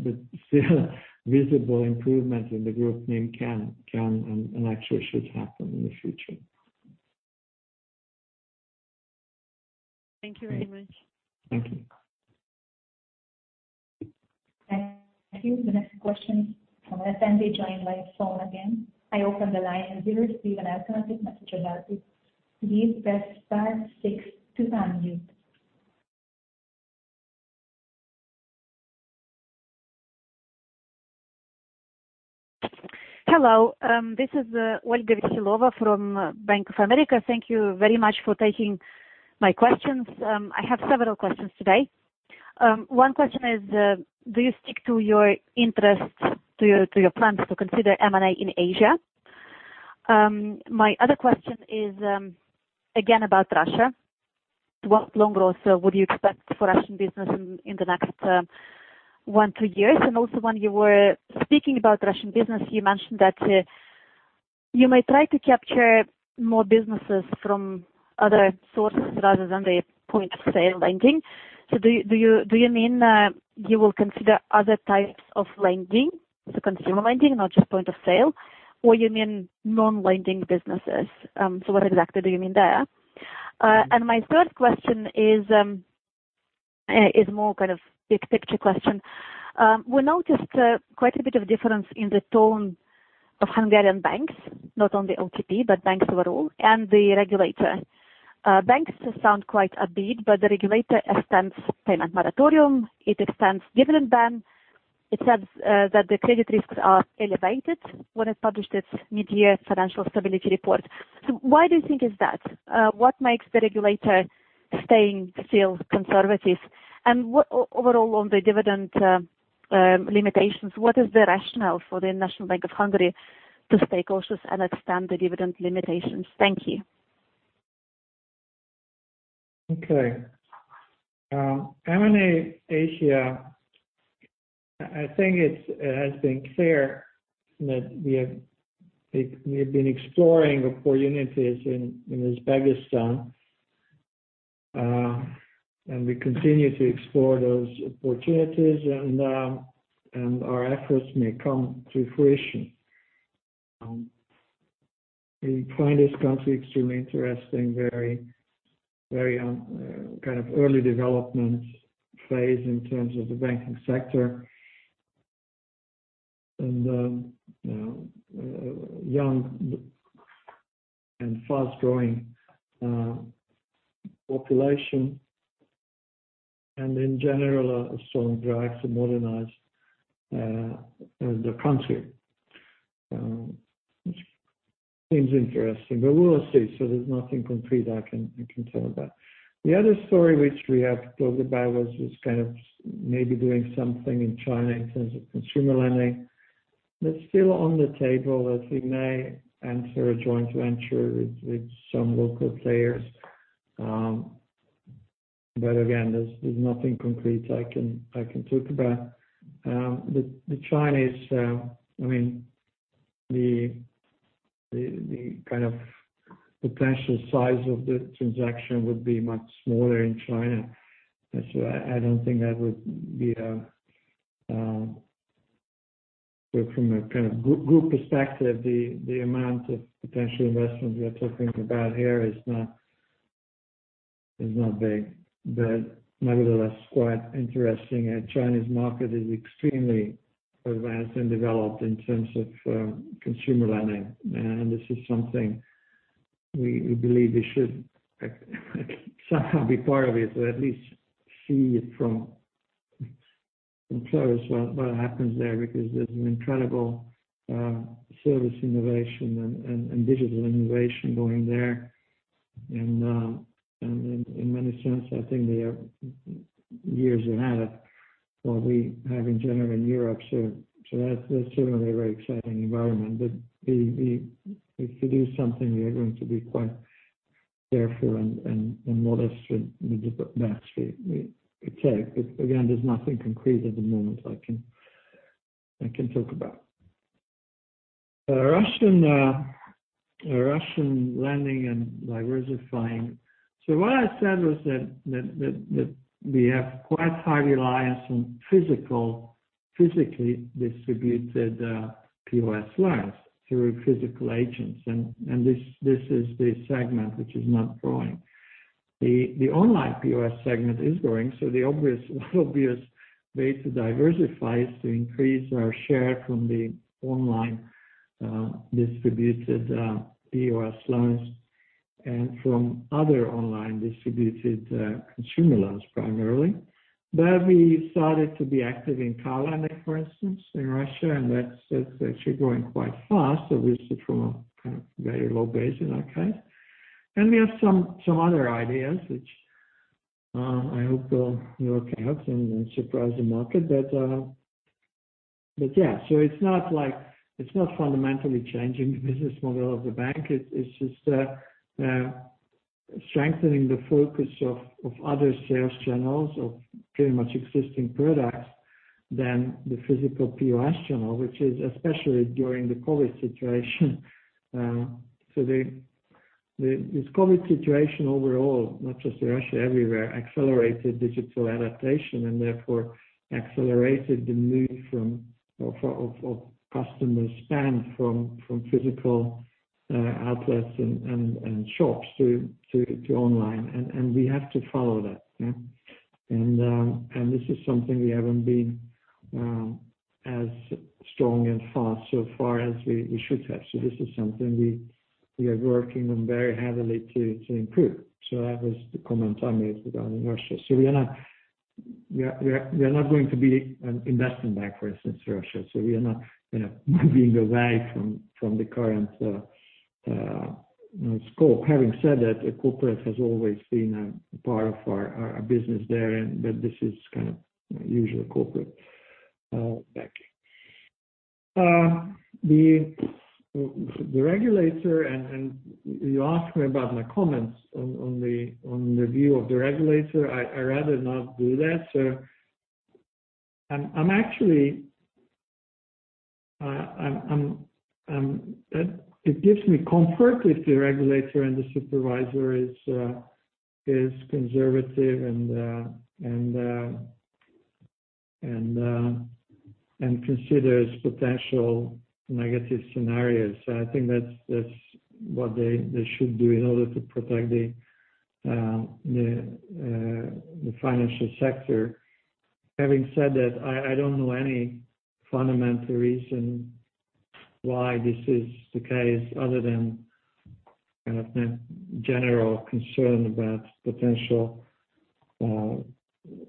Speaker 2: still visible improvements in the group NIM can and actually should happen in the future.
Speaker 5: Thank you very much.
Speaker 2: Thank you.
Speaker 1: Thank you. The next question from an attendee joined by phone again. I open the line. [inaudible] press star six to unmute.
Speaker 6: Hello. This is Olga Veselova from Bank of America. Thank you very much for taking my questions. I have several questions today. One question is, do you stick to your interests, to your plans to consider M&A in Asia? My other question is, again, about Russia. What loan growth would you expect for Russian business in the next one to two years? Also, when you were speaking about Russian business, you mentioned that you may try to capture more businesses from other sources rather than the point of sale lending. Do you mean, you will consider other types of lending to consumer lending, not just point of sale, or you mean non-lending businesses? What exactly do you mean there? My third question is more kind of big picture question. We noticed quite a bit of difference in the tone of Hungarian banks, not only OTP, but banks overall, and the regulator. Banks sounds quite upbeat, but the regulator extends payment moratorium, it extends dividend ban. It says that the credit risks are elevated when it published its mid-year financial stability report. Why do you think is that? What makes the regulator staying still conservative? What overall on the dividend limitations, what is the rationale for the National Bank of Hungary to stay cautious and extend the dividend limitations? Thank you.
Speaker 2: M&A Asia, I think it has been clear that we have been exploring opportunities in Uzbekistan. We continue to explore those opportunities and our efforts may come to fruition. We find this country extremely interesting, very kind of early development phase in terms of the banking sector. Young and fast-growing population. In general, a strong drive to modernize the country, which seems interesting, but we will see. There's nothing concrete I can tell about. The other story which we have talked about was just kind of maybe doing something in China in terms of consumer lending. That's still on the table, as we may enter a joint venture with some local players. Again, there's nothing concrete I can talk about. The Chinese, the kind of potential size of the transaction would be much smaller in China. I don't think that would be from a kind of Group perspective, the amount of potential investments we are talking about here is not big. Nevertheless, quite interesting. Chinese market is extremely advanced and developed in terms of consumer lending. This is something we believe we should somehow be part of it, or at least see it from close what happens there, because there's an incredible service innovation and digital innovation going there. In many sense, I think they are years ahead of what we have in general in Europe. That's certainly a very exciting environment. If we do something, we are going to be quite careful and modest with the steps we take. Again, there's nothing concrete at the moment I can talk about. The Russian lending and diversifying. What I said was that we have quite high reliance on physically distributed POS loans through physical agents and this is the segment which is not growing. The online POS segment is growing, the obvious way to diversify is to increase our share from the online distributed POS loans and from other online distributed consumer loans primarily. There we started to be active in car lending, for instance, in Russia, and that's actually growing quite fast, obviously from a kind of very low base in that case. We have some other ideas which I hope will work out and surprise the market. It's not fundamentally changing the business model of the bank. It's just strengthening the focus of other sales channels of pretty much existing products than the physical POS channel, which is especially during the COVID situation. This COVID situation overall, not just Russia, everywhere, accelerated digital adaptation and therefore accelerated the move of customer spend from physical outlets and shops to online, and we have to follow that. This is something we haven't been as strong and fast so far as we should have. This is something we are working on very heavily to improve. That was the comment I made regarding Russia. We are not going to be an investment bank, for instance, Russia. We are not moving away from the current scope. Having said that, corporate has always been a part of our business there, and that this is kind of usual corporate banking. The regulator, you asked me about my comments on the view of the regulator. I'd rather not do that, sir. It gives me comfort if the regulator and the supervisor is conservative and considers potential negative scenarios. I think that's what they should do in order to protect the financial sector. Having said that, I don't know any fundamental reason why this is the case other than kind of general concern about potential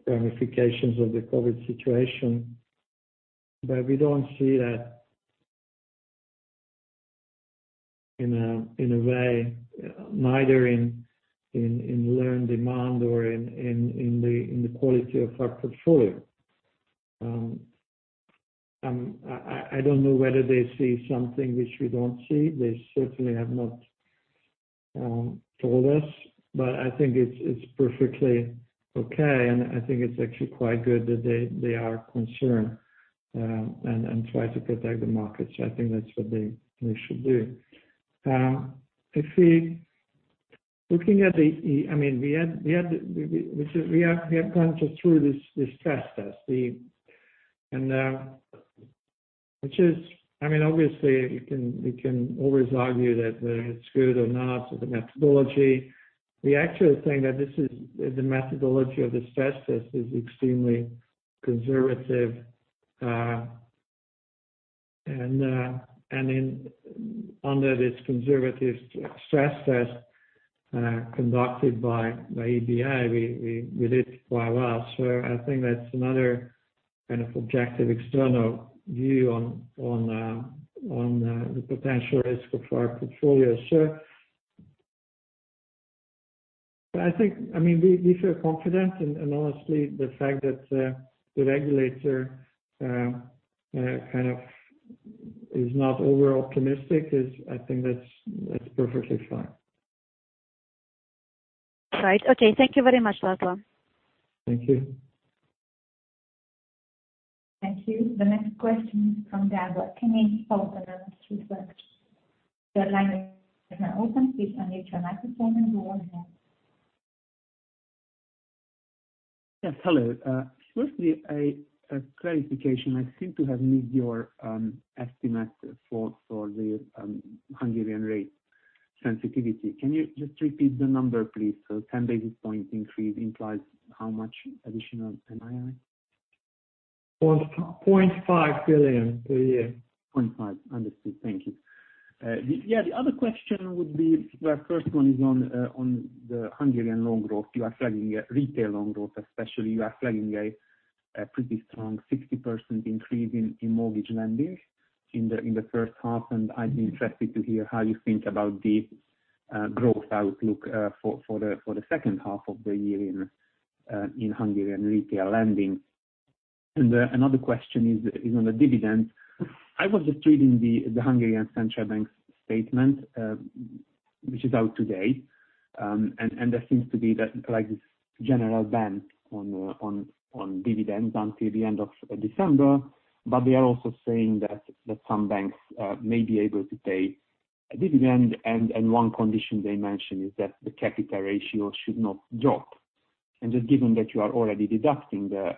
Speaker 2: ramifications of the COVID situation, but we don't see that in a way, neither in loan demand or in the quality of our portfolio. I don't know whether they see something which we don't see. They certainly have not told us, but I think it's perfectly okay, and I think it's actually quite good that they are concerned and try to protect the market. I think that's what they should do. We have gone through this stress test. Obviously, we can always argue that whether it's good or not or the methodology. We actually think that the methodology of the stress test is extremely conservative. Under this conservative stress test conducted by EBA, we did quite well. I think that's another kind of objective external view on the potential risk of our portfolio. I think we feel confident and honestly, the fact that the regulator kind of is not over-optimistic, I think that's perfectly fine.
Speaker 6: Right. Okay. Thank you very much, László.
Speaker 2: Thank you.
Speaker 1: Thank you. The next question is from Gabriel. [inaudible] Can you open up, please? [inaudible]
Speaker 7: Yes. Hello. Firstly, a clarification. I seem to have missed your estimate for the Hungarian rate sensitivity. Can you just repeat the number, please? 10 basis point increase implies how much additional NII?
Speaker 2: 0.5 billion per year.
Speaker 7: Understood. Thank you. Yeah. The other question would be, well, first one is on the Hungarian loan growth. You are flagging a retail loan growth, especially you are flagging a pretty strong 60% increase in mortgage lending in the first half. I'd be interested to hear how you think about the growth outlook for the second half of the year in Hungarian retail lending. Another question is on the dividends. I was just reading the Hungarian Central Bank's statement, which is out today, and there seems to be like this general ban on dividends until the end of December. They are also saying that some banks may be able to pay a dividend, and one condition they mentioned is that the capital ratio should not drop. Just given that you are already deducting the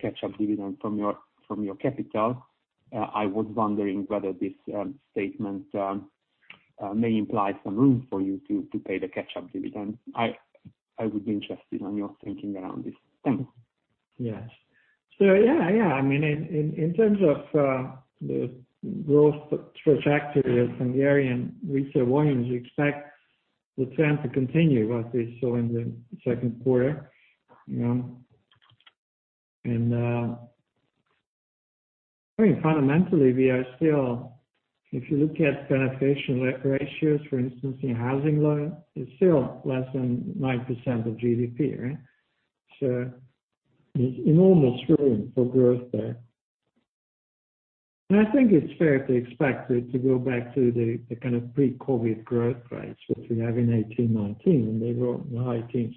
Speaker 7: catch-up dividend from your capital, I was wondering whether this statement may imply some room for you to pay the catch-up dividend. I would be interested on your thinking around this. Thank you.
Speaker 2: Yes. Yeah. In terms of the growth trajectory of Hungarian retail volumes, we expect the trend to continue what we saw in the second quarter. Fundamentally, if you look at penetration ratios, for instance, in housing loans, it's still less than 9% of GDP, right? There's enormous room for growth there. I think it's fair to expect it to go back to the kind of pre-COVID growth rates, which we have in 2018, 2019, when they were in the high teens.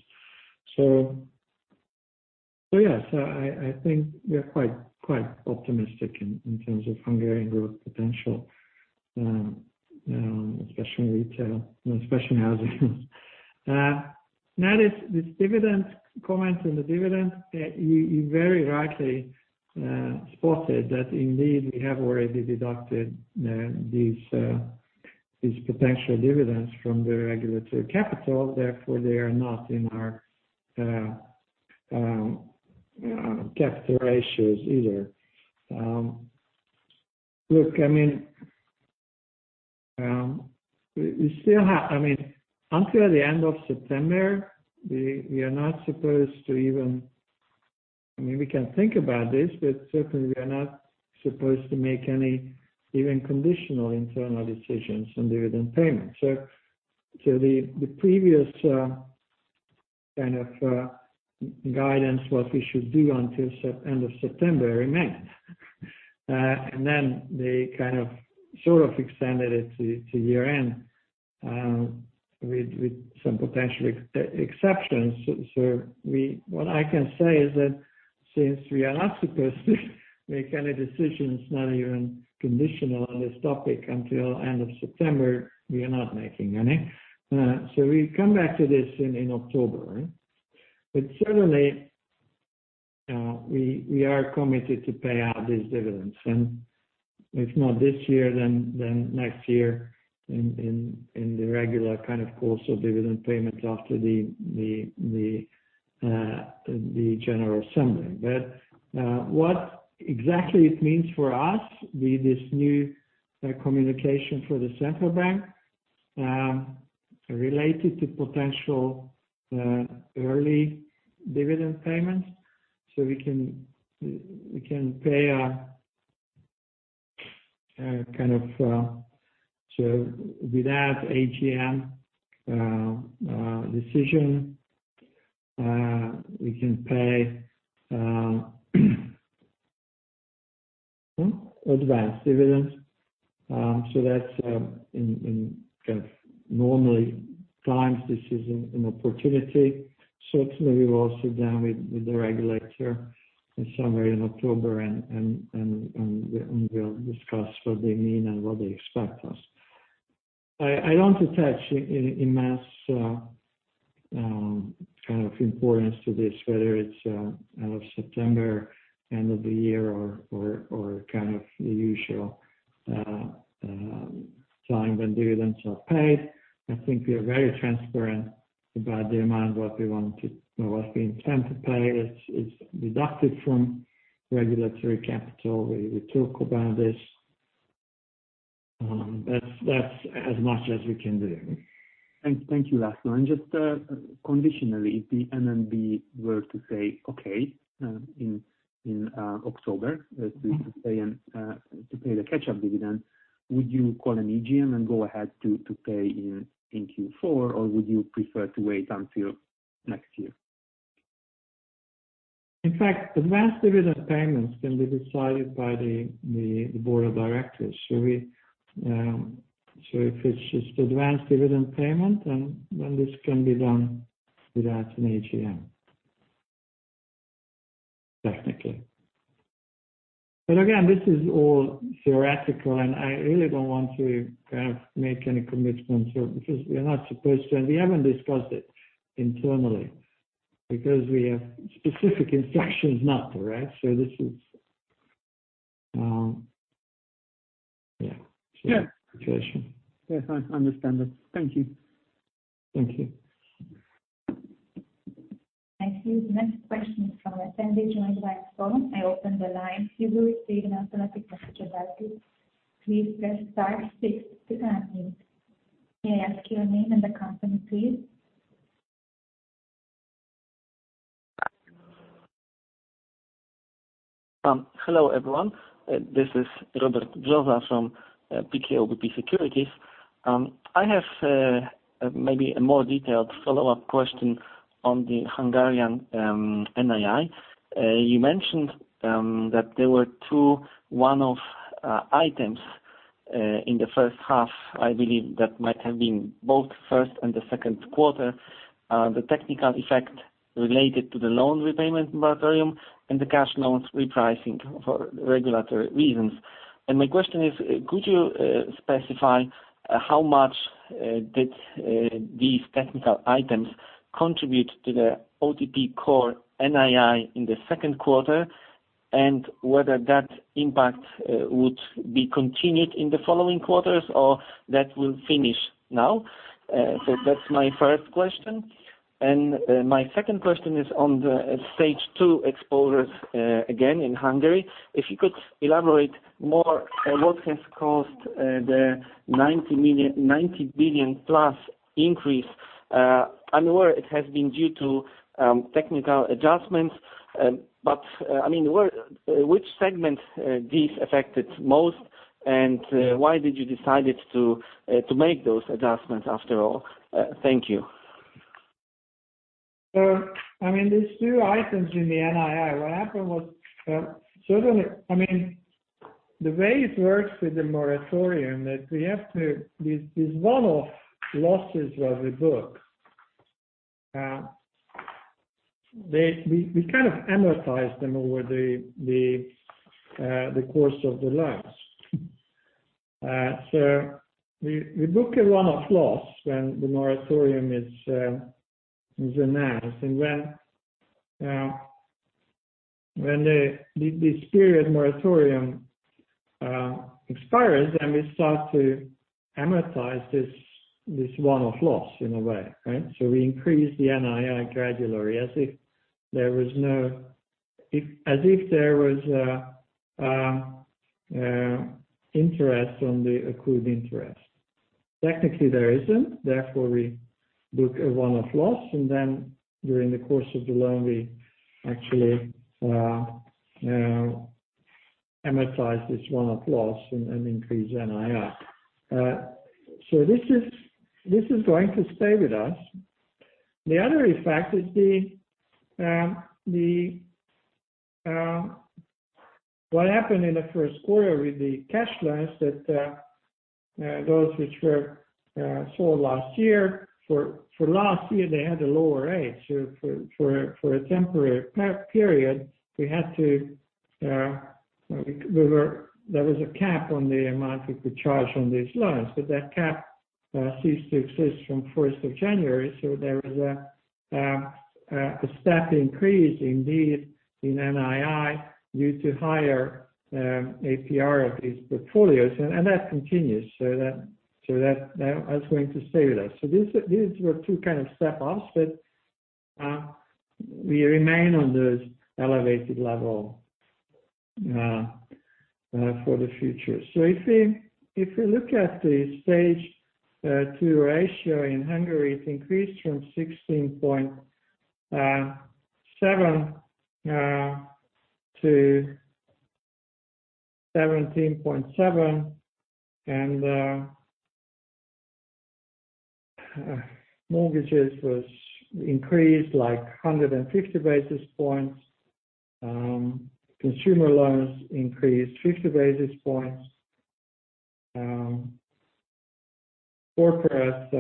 Speaker 2: Yes, I think we are quite optimistic in terms of Hungarian growth potential, especially retail, especially housing. This comment on the dividend, you very rightly spotted that indeed, we have already deducted these potential dividends from the regulatory capital, therefore they are not in our capital ratios either. Until the end of September, we can think about this, but certainly, we are not supposed to make any even conditional internal decisions on dividend payments. The previous kind of guidance, what we should do until end of September remains. They sort of extended it to year-end with some potential exceptions. What I can say is that since we are not supposed to make any decisions, not even conditional, on this topic until end of September, we are not making any. We'll come back to this in October, right? Certainly, we are committed to pay out these dividends, and if not this year, then next year in the regular kind of course of dividend payments after the general assembly. What exactly it means for us with this new communication for the central bank related to potential early dividend payments. Without AGM decision, we can pay advanced dividends. That's in kind of normally times, this is an opportunity. Certainly, we will sit down with the regulator in summer, in October, and we'll discuss what they mean and what they expect us. I don't attach immense kind of importance to this, whether it's end of September, end of the year, or kind of the usual time when dividends are paid. I think we are very transparent about the amount what we intend to pay, it's deducted from regulatory capital. We talk about this. That's as much as we can do.
Speaker 7: Thank you, László. Just conditionally, if the MNB were to say okay in October to pay the catch-up dividend, would you call an AGM and go ahead to pay in Q4, or would you prefer to wait until next year?
Speaker 2: In fact, advanced dividend payments can be decided by the board of directors. If it's just advanced dividend payment, this can be done without an AGM, technically. Again, this is all theoretical, and I really don't want to kind of make any commitments because we are not supposed to, and we haven't discussed it internally because we have specific instructions not to, right?
Speaker 7: Yeah.
Speaker 2: situation.
Speaker 7: Yes, I understand that. Thank you.
Speaker 2: Thank you.
Speaker 1: I see the next question is from attendee joined by phone. I open the line. You will receive an automatic message of that. Please press star six to unmute. May I ask your name and the company, please?
Speaker 8: Hello, everyone. This is Robert Brzoza from PKO BP Securities. I have maybe a more detailed follow-up question on the Hungarian NII. You mentioned that there were two one-off items in the first half, I believe that might have been both first and the second quarter. The technical effect related to the loan repayment moratorium and the cash loans repricing for regulatory reasons. My question is, could you specify how much did these technical items contribute to the OTP core NII in the second quarter, and whether that impact would be continued in the following quarters or that will finish now? That's my first question. My second question is on the Stage 2 exposures, again in Hungary. If you could elaborate more on what has caused the 90 billion+ increase. I'm aware it has been due to technical adjustments, but which segment this affected most, and why did you decide to make those adjustments after all? Thank you.
Speaker 2: There's two items in the NII. The way it works with the moratorium, these one-off losses that we book, we kind of amortize them over the course of the loans. We book a one-off loss when the moratorium is announced. When this period moratorium expires, then we start to amortize this one-off loss in a way. We increase the NII gradually as if there was interest on the accrued interest. Technically, there isn't, therefore, we book a one-off loss, and then during the course of the loan, we actually amortize this one-off loss and increase NII. This is going to stay with us. The other effect is what happened in the first quarter with the cash loans that those which were sold last year. For last year, they had a lower rate. For a temporary cap period, there was a cap on the amount we could charge on these loans, but that cap ceased to exist from 1st of January. There was a step increase indeed in NII due to higher APR of these portfolios, and that continues. That's going to stay with us. These were two kind of step-ups, but we remain on those elevated level for the future. If we look at the Stage 2 ratio in Hungary, it increased from 16.7%-17.7%, and mortgages was increased like 150 basis points. Consumer loans increased 50 basis points. Corporate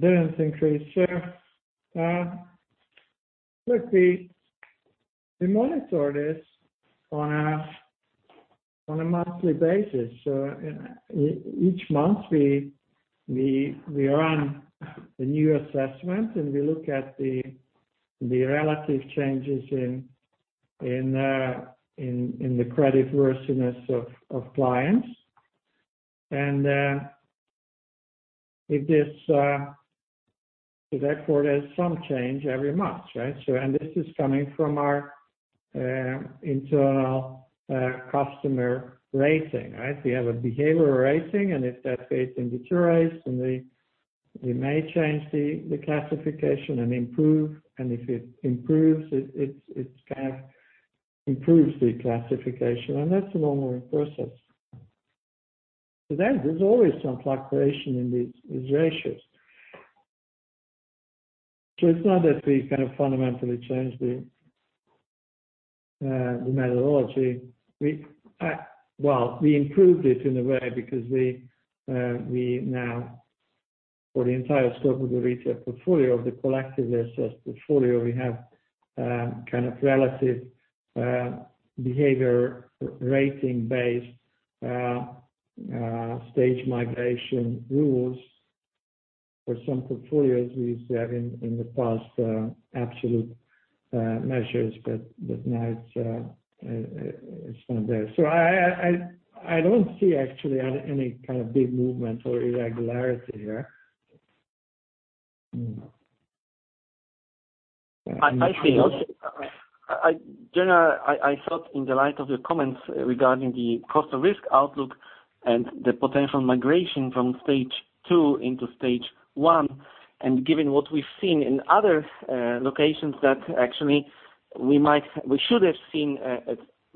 Speaker 2: didn't increase. Look, we monitor this on a monthly basis. Each month, we run a new assessment, and we look at the relative changes in the creditworthiness of clients. If this report has some change every month, right? This is coming from our internal customer rating, right? We have a behavioral rating, and if that rating deteriorates, then we may change the classification and improve. If it improves, it kind of improves the classification. That's a normal process. There's always some fluctuation in these ratios. It's not that we kind of fundamentally change the methodology. Well, we improved it in a way because we now, for the entire scope of the retail portfolio, of the collectively assessed portfolio, we have kind of relative behavioral rating-based Stage migration rules. For some portfolios, we used to have in the past absolute measures, but now it's not there. I don't see actually any kind of big movement or irregularity here.
Speaker 8: I see. Generally, I thought in the light of your comments regarding the cost of risk outlook and the potential migration from Stage 2 into Stage 1, and given what we've seen in other locations, that actually we should have seen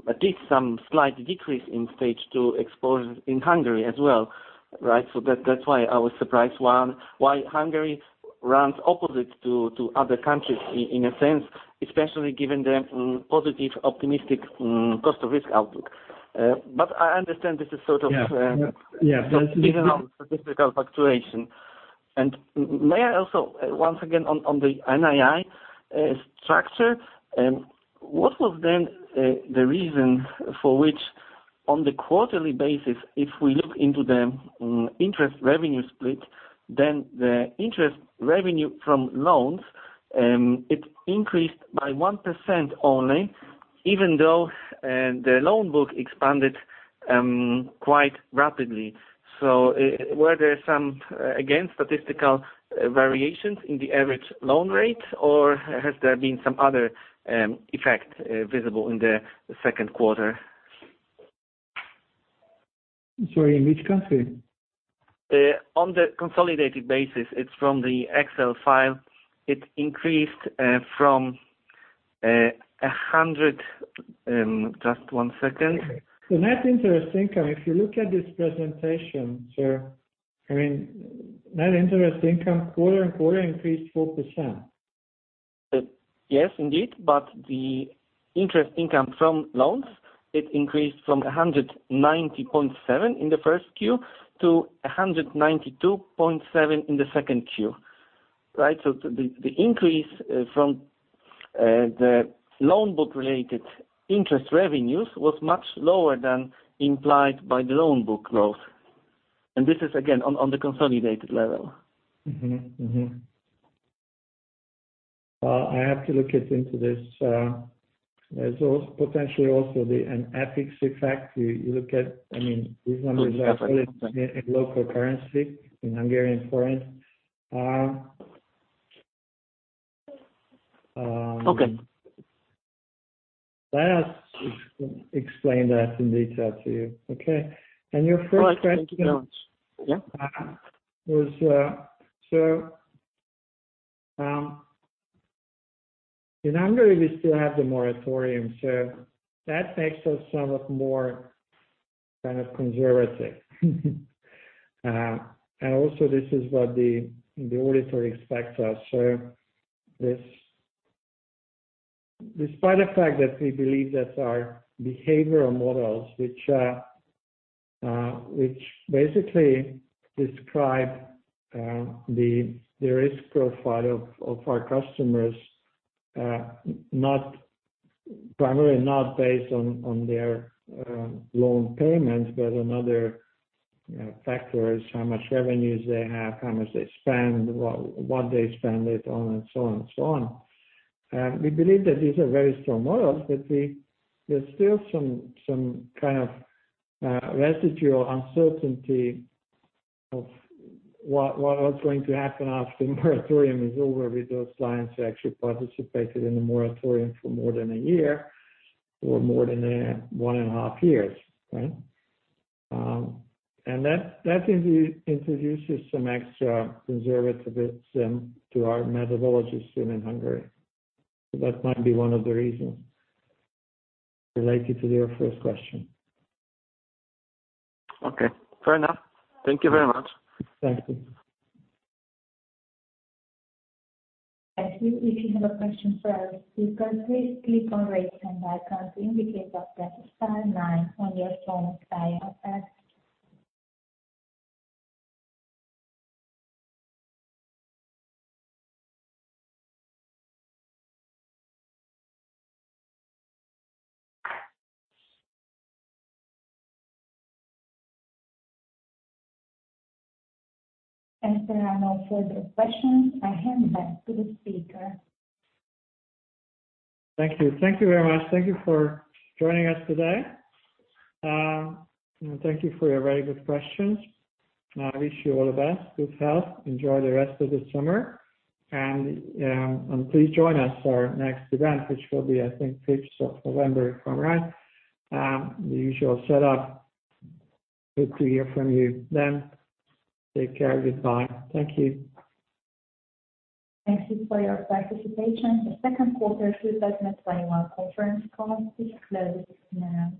Speaker 8: at least some slight decrease in Stage 2 exposure in Hungary as well. That's why I was surprised, one, why Hungary runs opposite to other countries in a sense, especially given the positive, optimistic cost of risk outlook.
Speaker 2: Yeah.
Speaker 8: Based on statistical fluctuation. May I also, once again, on the NII structure, what was then the reason for which, on the quarterly basis, if we look into the interest revenue split, then the interest revenue from loans, it increased by 1% only, even though the loan book expanded quite rapidly? Were there some, again, statistical variations in the average loan rate, or has there been some other effect visible in the second quarter?
Speaker 2: Sorry, in which country?
Speaker 8: On the consolidated basis, it's from the Excel file. It increased from 100. Just one second.
Speaker 2: The net interest income, if you look at this presentation, sir, net interest income quarter-on-quarter increased 4%.
Speaker 8: Yes, indeed. The interest income from loans increased from 190.7 billion in the 1Q to 192.7 billion in the 2Q, right? The increase from the loan book-related interest revenues was much lower than implied by the loan book growth. This is again, on the consolidated level.
Speaker 2: I have to look into this. There's potentially also an FX effect.
Speaker 8: Exactly
Speaker 2: In local currency, in Hungarian forint.
Speaker 8: Okay.
Speaker 2: Let us explain that in detail to you. Okay? Your first question?
Speaker 8: All right. Thank you very much. Yeah.
Speaker 2: In Hungary, we still have the moratorium, that makes us somewhat more kind of conservative. Also, this is what the auditor expects us. Despite the fact that we believe that our behavioral models, which basically describe the risk profile of our customers primarily not based on their loan payments, but on other factors, how much revenues they have, how much they spend, what they spend it on, and so on. We believe that these are very strong models, but there's still some kind of residual uncertainty of what was going to happen after the moratorium is over with those clients who actually participated in the moratorium for more than a year or more than one and a half years, right? That introduces some extra conservatism to our methodologies in Hungary. That might be one of the reasons related to your first question.
Speaker 8: Okay. Fair enough. Thank you very much.
Speaker 2: Thank you.
Speaker 1: Thank you. If you have a question for our speaker, please click on the Raise Hand icon to indicate, or press star nine on your phone to dial us. As there are no further questions, I hand back to the speaker.
Speaker 2: Thank you. Thank you very much. Thank you for joining us today. Thank you for your very good questions. I wish you all the best with health. Enjoy the rest of the summer. Please join us for our next event, which will be, I think, 5th of November, if I'm right. The usual setup. Good to hear from you then. Take care. Goodbye. Thank you.
Speaker 1: Thank you for your participation. The second quarter 2021 conference call is closed now.